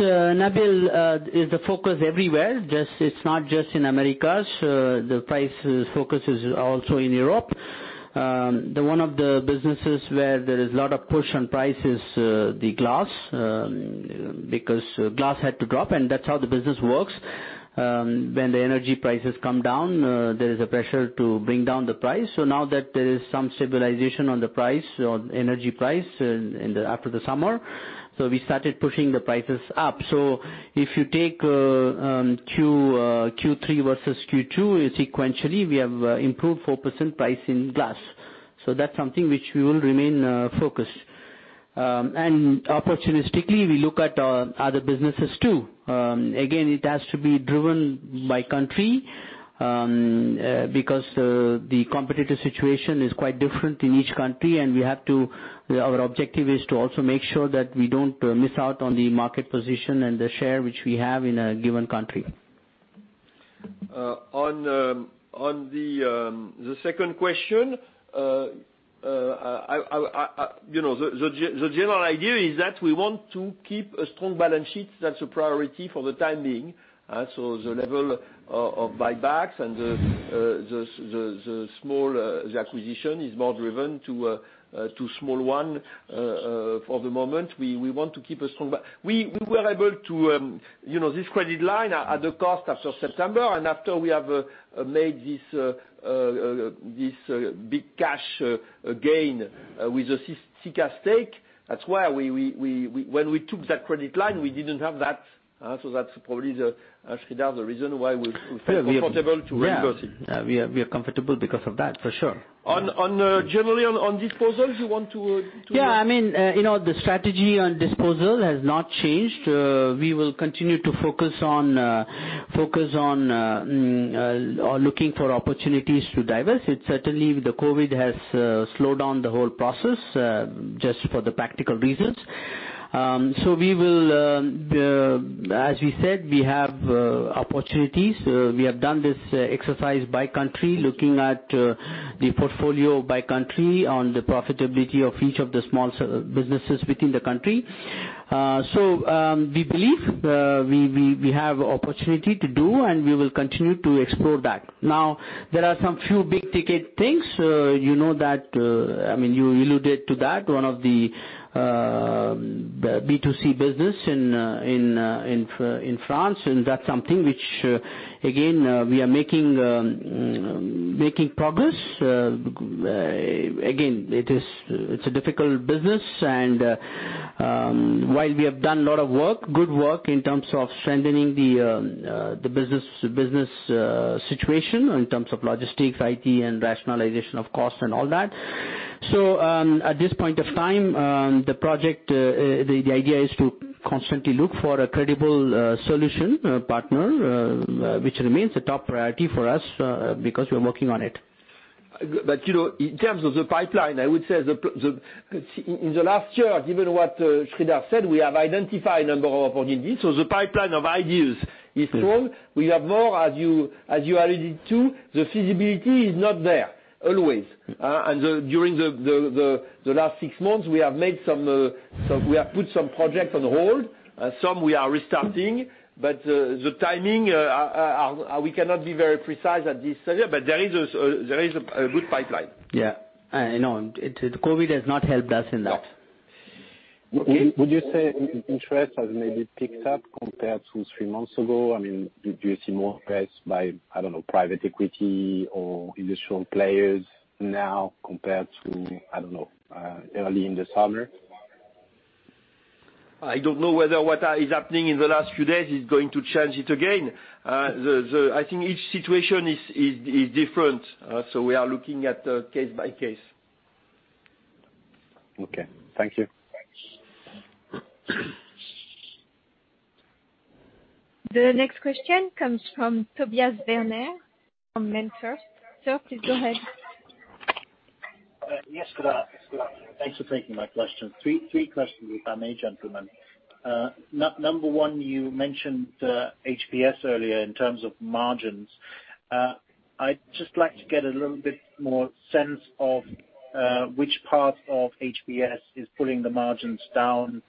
Nabil, is the focus everywhere. It's not just in Americas. The price focus is also in Europe. One of the businesses where there is a lot of push on price is the glass, because glass had to drop, and that's how the business works. When the energy prices come down, there is a pressure to bring down the price. Now that there is some stabilization on the energy price after the summer, we started pushing the prices up. If you take Q3 versus Q2, sequentially, we have improved 4% price in glass. That's something which we will remain focused. Opportunistically, we look at our other businesses, too. Again, it has to be driven by country, because the competitive situation is quite different in each country, and our objective is to also make sure that we don't miss out on the market position and the share which we have in a given country. On the second question, the general idea is that we want to keep a strong balance sheet. That's a priority for the time being. The level of buybacks and the acquisition is more driven to small one for the moment. We were able to this credit line at the cost after September and after we have made this big cash gain with the Sika stake. That's why when we took that credit line, we didn't have that. That's probably, Sreedhar, the reason why we feel comfortable to reverse it. Yeah. We are comfortable because of that, for sure. Generally, on disposals. The strategy on disposal has not changed. We will continue to focus on looking for opportunities to divest. Certainly, the COVID has slowed down the whole process, just for the practical reasons. As we said, we have opportunities. We have done this exercise by country, looking at the portfolio by country, on the profitability of each of the small businesses within the country. We believe we have opportunity to do, and we will continue to explore that. There are some few big-ticket things. You alluded to that, one of the B2C business in France, and that's something which, again, we are making progress. Again, it's a difficult business, and while we have done a lot of work, good work in terms of strengthening the business situation, in terms of logistics, IT, and rationalization of cost and all that. At this point of time, the idea is to constantly look for a credible solution partner, which remains a top priority for us, because we're working on it. In terms of the pipeline, I would say, in the last year, given what Sreedhar said, we have identified a number of opportunities. The pipeline of ideas is strong. We have more, as you alluded to, the feasibility is not there always. During the last six months, we have put some projects on hold. Some we are restarting, but the timing, we cannot be very precise at this stage. There is a good pipeline. Yeah. I know. COVID has not helped us in that. No. Would you say interest has maybe picked up compared to three months ago? I mean, do you see more interest by, I don't know, private equity or industrial players now compared to, I don't know, early in the summer? I don't know whether what is happening in the last few days is going to change it again. I think each situation is different. We are looking at case by case. Okay. Thank you. The next question comes from Tobias Woerner from MainFirst. Sir, please go ahead. Yes. Good afternoon. Thanks for taking my question. Three questions, if I may, gentlemen. Number one, you mentioned HPS earlier in terms of margins. I'd just like to get a little bit more sense of which part of HPS is pulling the margins down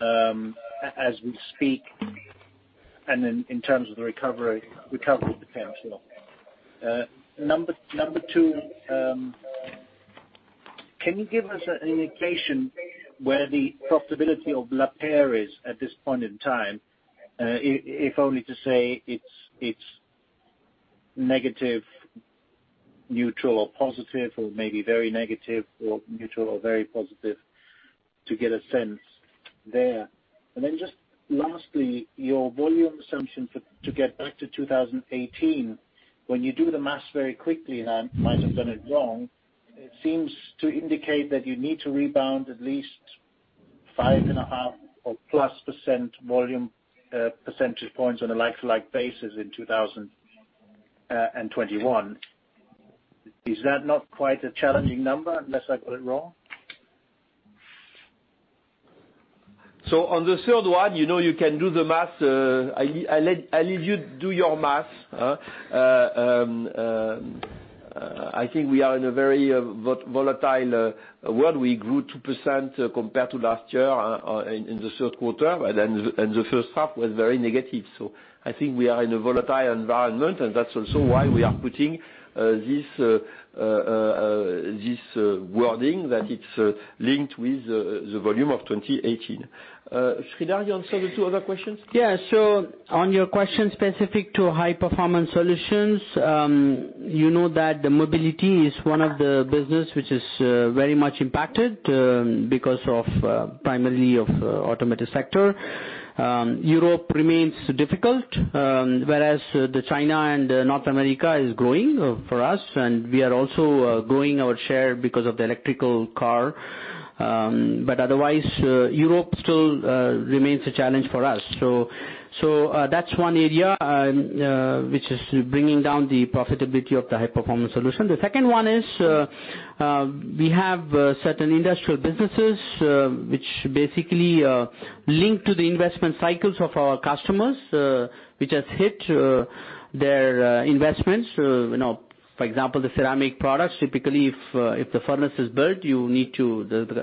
as we speak. In terms of the recovery potential. Number two, can you give us an indication where the profitability of Lapeyre is at this point in time? If only to say it's negative, neutral or positive, or maybe very negative or neutral or very positive to get a sense there. Just lastly, your volume assumption to get back to 2018, when you do the math very quickly, and I might have done it wrong, it seems to indicate that you need to rebound at least 5.5+% volume, percentage points on a like-for-like basis in 2021. Is that not quite a challenging number, unless I got it wrong? On the third one, you can do the math. I'll leave you do your math. I think we are in a very volatile world. We grew 2% compared to last year in the third quarter, and the first half was very negative. I think we are in a volatile environment, and that's also why we are putting this wording that it's linked with the volume of 2018. Sreedhar, you answer the two other questions? On your question specific to High Performance Solutions, you know that the Mobility is one of the business which is very much impacted because of primarily of automotive sector. Europe remains difficult, whereas China and North America is growing for us, and we are also growing our share because of the electrical car. Otherwise, Europe still remains a challenge for us. That's one area which is bringing down the profitability of the High Performance Solutions. The second one is, we have certain industrial businesses which basically link to the investment cycles of our customers, which has hit their investments. For example, the ceramic products, typically, if the furnace is built,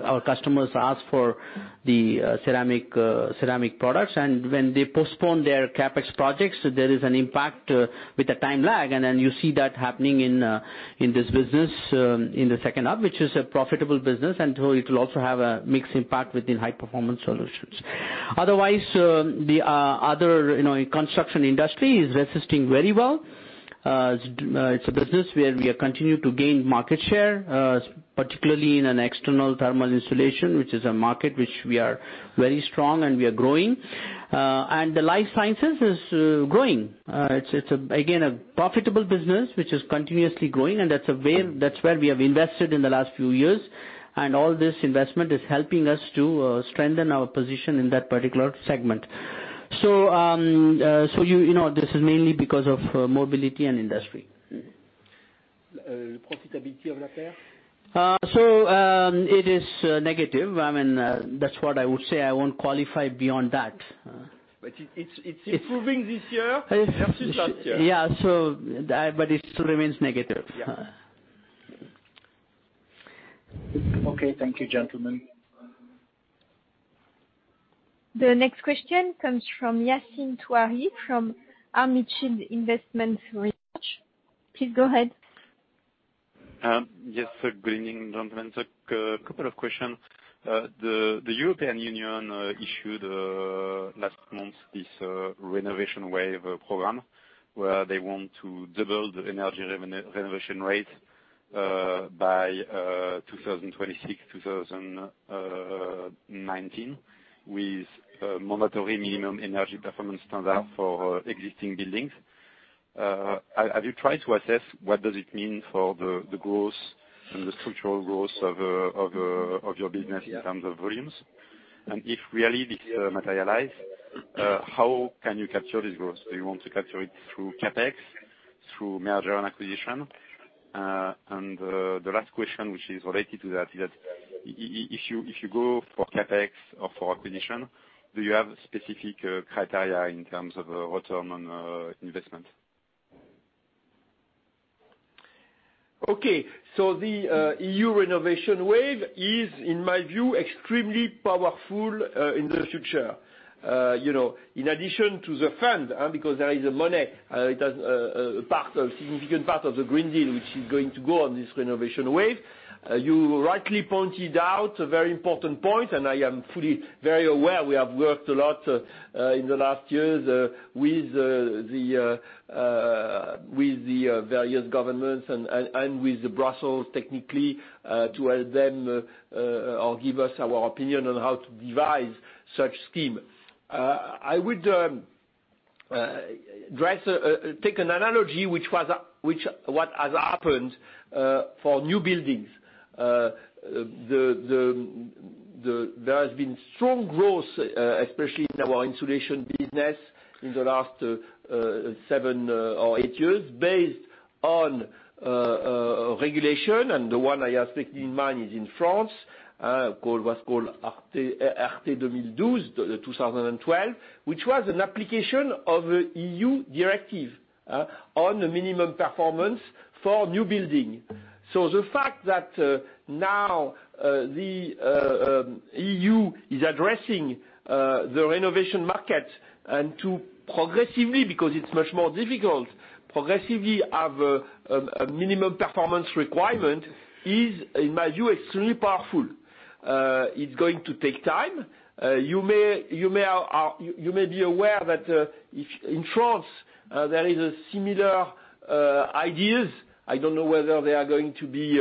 our customers ask for the ceramic products. When they postpone their CapEx projects, there is an impact with the time lag. Then you see that happening in this business in the second half, which is a profitable business. So it will also have a mixed impact within High Performance Solutions. Otherwise, the other Construction Industry is resisting very well. It's a business where we have continued to gain market share, particularly in an external thermal insulation, which is a market which we are very strong and we are growing. The Life Sciences is growing. It's, again, a profitable business which is continuously growing. That's where we have invested in the last few years. All this investment is helping us to strengthen our position in that particular segment. This is mainly because of Mobility and Industry. Profitability of Lapeyre? It is negative. That's what I would say. I won't qualify beyond that. It's improving this year versus last year. Yeah. It still remains negative. Yeah. Okay. Thank you, gentlemen. The next question comes from Yassine Touahri, from On Field Investment Research. Please go ahead. Yes, good evening, gentlemen. A couple of questions. The European Union issued last month this Renovation Wave program where they want to double the energy renovation rate by 2026, 2019 with mandatory minimum energy performance standard for existing buildings. Have you tried to assess what does it mean for the growth and the structural growth of your business in terms of volumes? If really this materialize, how can you capture this growth? Do you want to capture it through CapEx, through merger and acquisition? The last question, which is related to that, is that if you go for CapEx or for acquisition, do you have specific criteria in terms of return on investment? Okay. The EU Renovation Wave is, in my view, extremely powerful in the future. In addition to the fund, because there is money, it has a significant part of the Green Deal which is going to go on this Renovation Wave. You rightly pointed out a very important point, and I am fully very aware, we have worked a lot in the last years with the various governments and with Brussels technically, to help them or give us our opinion on how to devise such scheme. I would take an analogy, what has happened for new buildings. There has been strong growth, especially in our insulation business in the last seven or eight years based on regulation, and the one I have in mind is in France, was called RT 2012, which was an application of a EU directive on the minimum performance for new building. The fact that now the EU is addressing the renovation market, and to progressively, because it's much more difficult, progressively have a minimum performance requirement is, in my view, extremely powerful. It's going to take time. You may be aware that, in France, there is similar ideas. I don't know whether they are going to be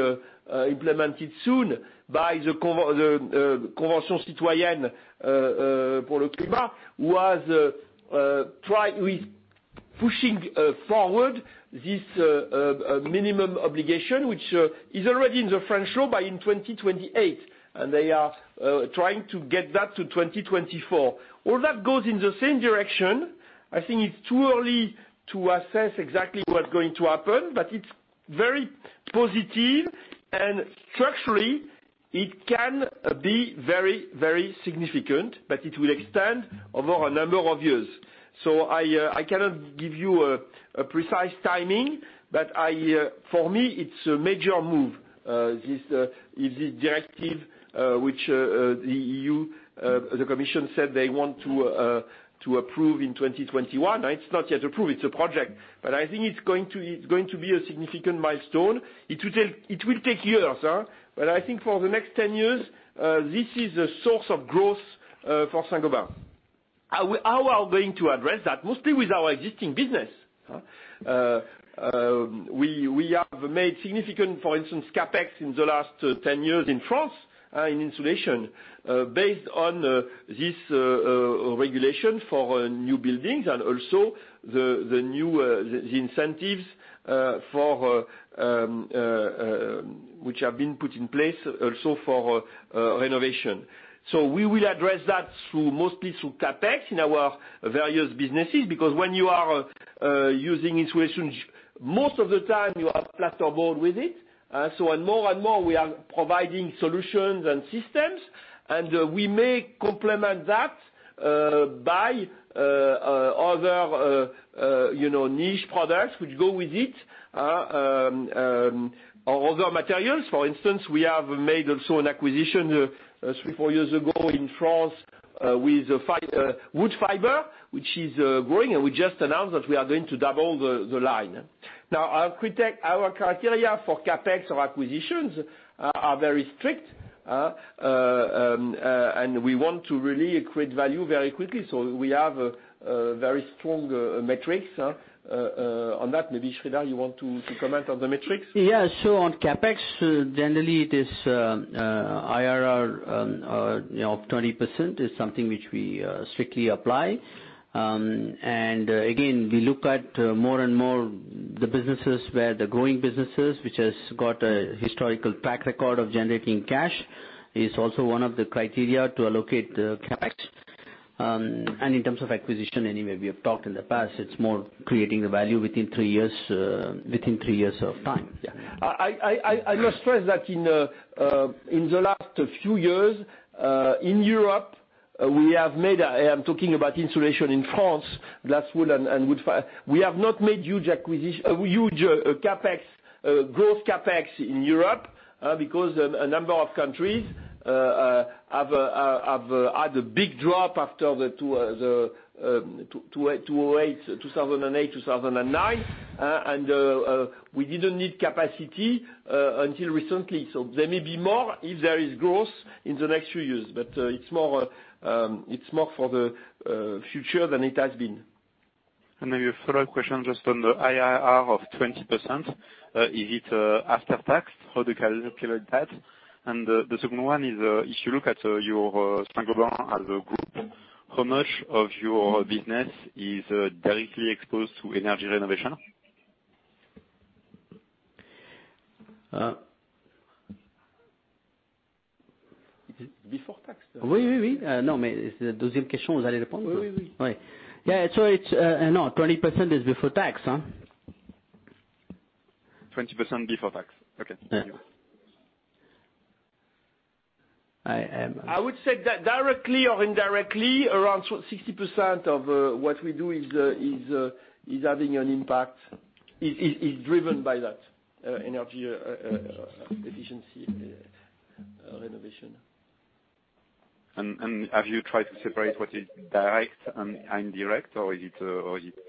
implemented soon by pushing forward this minimum obligation, which is already in the French law by 2028, and they are trying to get that to 2024. All that goes in the same direction. I think it's too early to assess exactly what's going to happen, but it's very positive and structurally it can be very significant, but it will extend over a number of years. I cannot give you a precise timing, but for me, it's a major move. This directive, which the EU, the Commission said they want to approve in 2021. It's not yet approved. It's a project. I think it's going to be a significant milestone. I think for the next 10 years, this is a source of growth for Saint-Gobain. How are we going to address that? Mostly with our existing business. We have made significant, for instance, CapEx in the last 10 years in France, in insulation, based on this regulation for new buildings and also the incentives which have been put in place also for renovation. We will address that mostly through CapEx in our various businesses, because when you are using insulation, most of the time you have plasterboard with it. More and more, we are providing solutions and systems, and we may complement that by other niche products which go with it, or other materials. For instance, we have made also an acquisition, three, four years ago in France with wood fiber, which is growing, and we just announced that we are going to double the line. Our criteria for CapEx or acquisitions are very strict. We want to really create value very quickly, so we have very strong metrics on that. Maybe, Sreedhar, you want to comment on the metrics? Yes. On CapEx, generally it is IRR of 20% is something which we strictly apply. Again, we look at more and more the businesses where the growing businesses, which has got a historical track record of generating cash, is also one of the criteria to allocate the CapEx. In terms of acquisition, anyway, we have talked in the past, it's more creating the value within three years' time. Yeah. I must stress that in the last few years, in Europe, we have made, I am talking about insulation in France, glass, wool, and wood fiber. We have not made huge growth CapEx in Europe, because a number of countries have had a big drop after 2008, 2009. We didn't need capacity until recently. There may be more if there is growth in the next few years. It's more for the future than it has been. Maybe a follow-up question just on the IRR of 20%. Is it after tax? How do you calculate that? The second one is, if you look at your Saint-Gobain as a group, how much of your business is directly exposed to energy renovation? Before tax? Yeah. No, 20% is before tax. 20% before tax. Okay. Thank you. I would say that directly or indirectly, around 60% of what we do is driven by that energy efficiency renovation. Have you tried to separate what is direct and indirect, or is it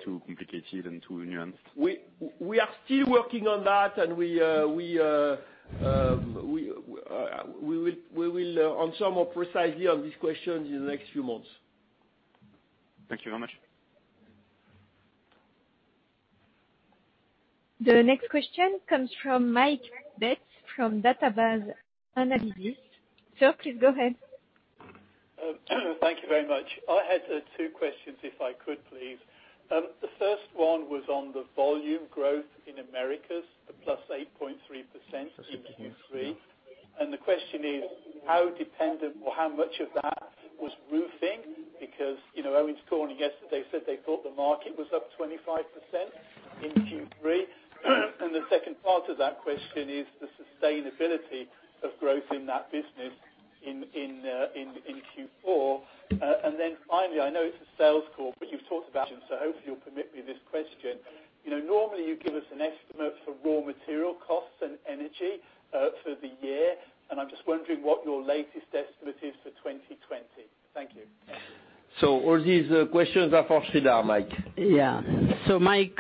too complicated and too nuanced? We are still working on that, and we will answer more precisely on these questions in the next few months. Thank you very much. The next question comes from Mike Betts from Jefferies. Sir, please go ahead. Thank you very much. I had two questions, if I could please. The first one was on the volume growth in Americas, the +8.3% in Q3. The question is how dependent or how much of that was roofing? Because Owens Corning yesterday said they thought the market was up 25% in Q3. The second part of that question is the sustainability of growth in that business in Q4. Finally, I know it's a sales call, but you've talked about it, so hopefully you'll permit me this question. Normally, you give us an estimate for raw material costs and energy for the year, and I'm just wondering what your latest estimate is for 2020. Thank you. All these questions are for Sreedhar, Mike. Mike,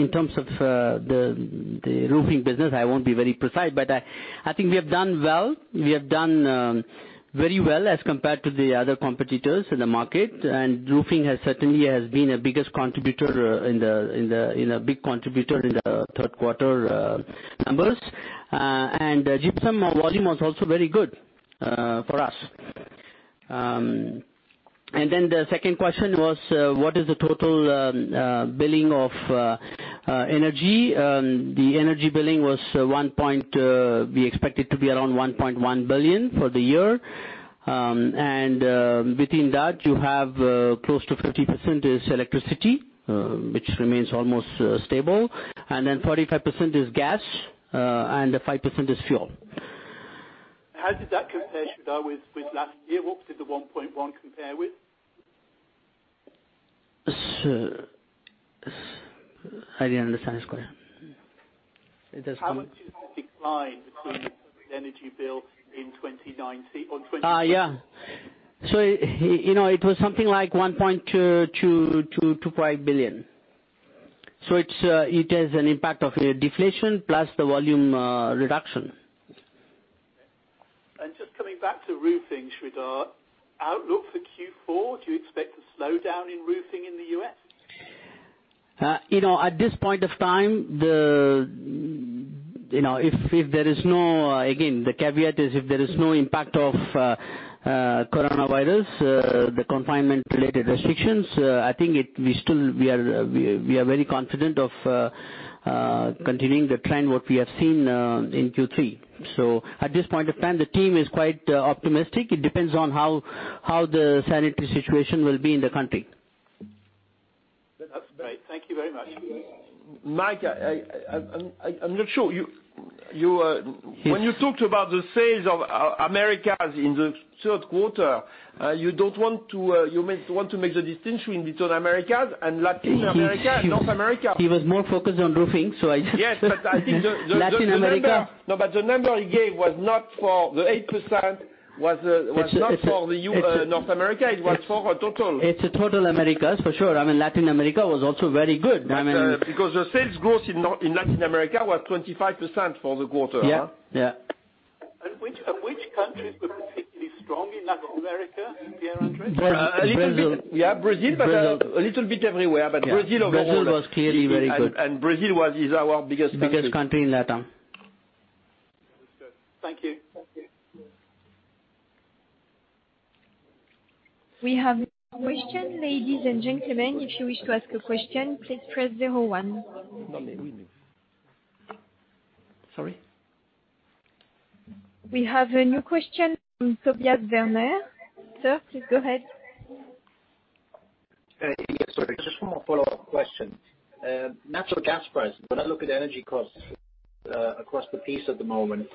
in terms of the roofing business, I won't be very precise, but I think we have done well. We have done very well as compared to the other competitors in the market, roofing certainly has been a biggest contributor and a big contributor in the third quarter numbers. Gypsum volume was also very good for us. The second question was, what is the total billing of energy? The energy billing, we expect it to be around 1.1 billion for the year. Within that, you have close to 50% is electricity, which remains almost stable, 45% is gas, 5% is fuel. How did that compare, Sreedhar, with last year? What did the 1.1 billion compare with? I didn't understand it, sorry. How much is the decline between energy bill in 2019 or 2020? Yeah. It was something like 1.25 billion. It has an impact of deflation plus the volume reduction. Just coming back to roofing, Sreedhar. Outlook for Q4, do you expect a slowdown in roofing in the U.S.? At this point of time, again, the caveat is if there is no impact of coronavirus, the confinement-related restrictions, I think we are very confident of continuing the trend, what we have seen in Q3. At this point of time, the team is quite optimistic. It depends on how the sanitary situation will be in the country. That's great. Thank you very much. Mike, I'm not sure. When you talked about the sales of Americas in the third quarter, you want to make the distinction between Americas and Latin America and North America. He was more focused on roofing, so I think Latin America. No, the number he gave, the 8%, was not for North America. It was for a total. It's total Americas for sure. Latin America was also very good. The sales growth in Latin America was 25% for the quarter, huh? Yeah. Which countries were particularly strong in Latin America, Pierre-André? Brazil. Yeah, Brazil, but a little bit everywhere, but Brazil overall- Brazil was clearly very good. Brazil is our biggest market. Biggest country in Latam. Understood. Thank you. We have a question. Ladies and gentlemen, if you wish to ask a question, please press zero one. Sorry? We have a new question from Tobias Woerner. Sir, please go ahead. Yes, sorry. Just one more follow-up question. Natural gas prices. When I look at energy costs across the piece at the moment,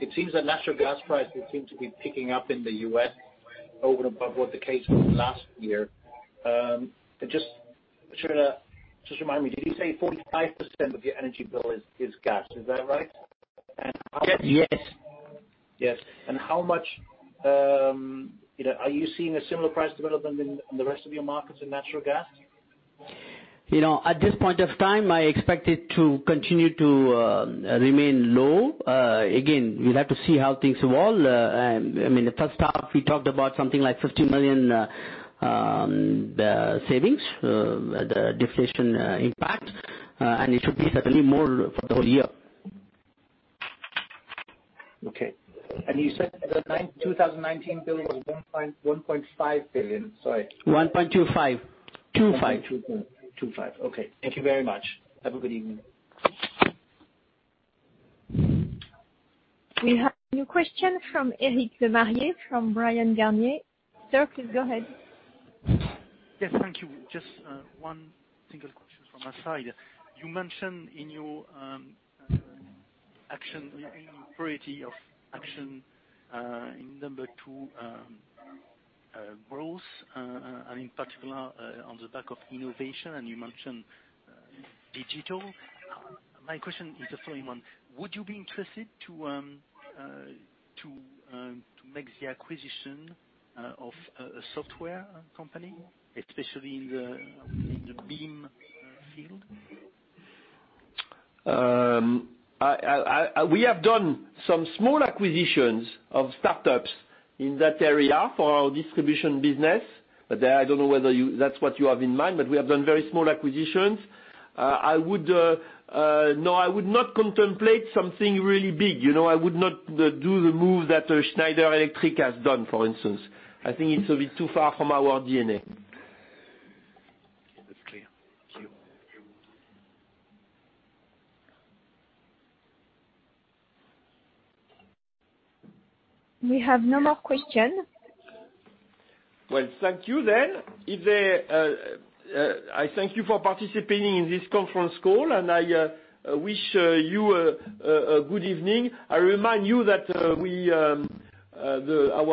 it seems that natural gas prices seem to be picking up in the U.S. over and above what the case was last year. Just, Sreedhar, just remind me, did you say 45% of your energy bill is gas? Is that right? Yes. Yes. Are you seeing a similar price development in the rest of your markets in natural gas? At this point of time, I expect it to continue to remain low. We'll have to see how things evolve. The first half, we talked about something like 50 million savings, the deflation impact. It should be certainly more for the whole year. Okay. You said the 2019 bill was 1.5 billion, sorry? 1.25 billion. 25. Okay. Thank you very much. Have a good evening. We have a new question from Eric Lemaire from Bryan Garnier. Sir, please go ahead. Yes. Thank you. Just one single question from my side. You mentioned in your priority of action, in number two, growth, and in particular, on the back of innovation, and you mentioned digital. My question is the following one. Would you be interested to make the acquisition of a software company, especially in the BIM field? We have done some small acquisitions of startups in that area for our distribution business. I don't know whether that's what you have in mind, but we have done very small acquisitions. No, I would not contemplate something really big. I would not do the move that Schneider Electric has done, for instance. I think it will be too far from our DNA. That's clear. Thank you. We have no more questions. Well, thank you then. I thank you for participating in this conference call, and I wish you a good evening. I remind you that our-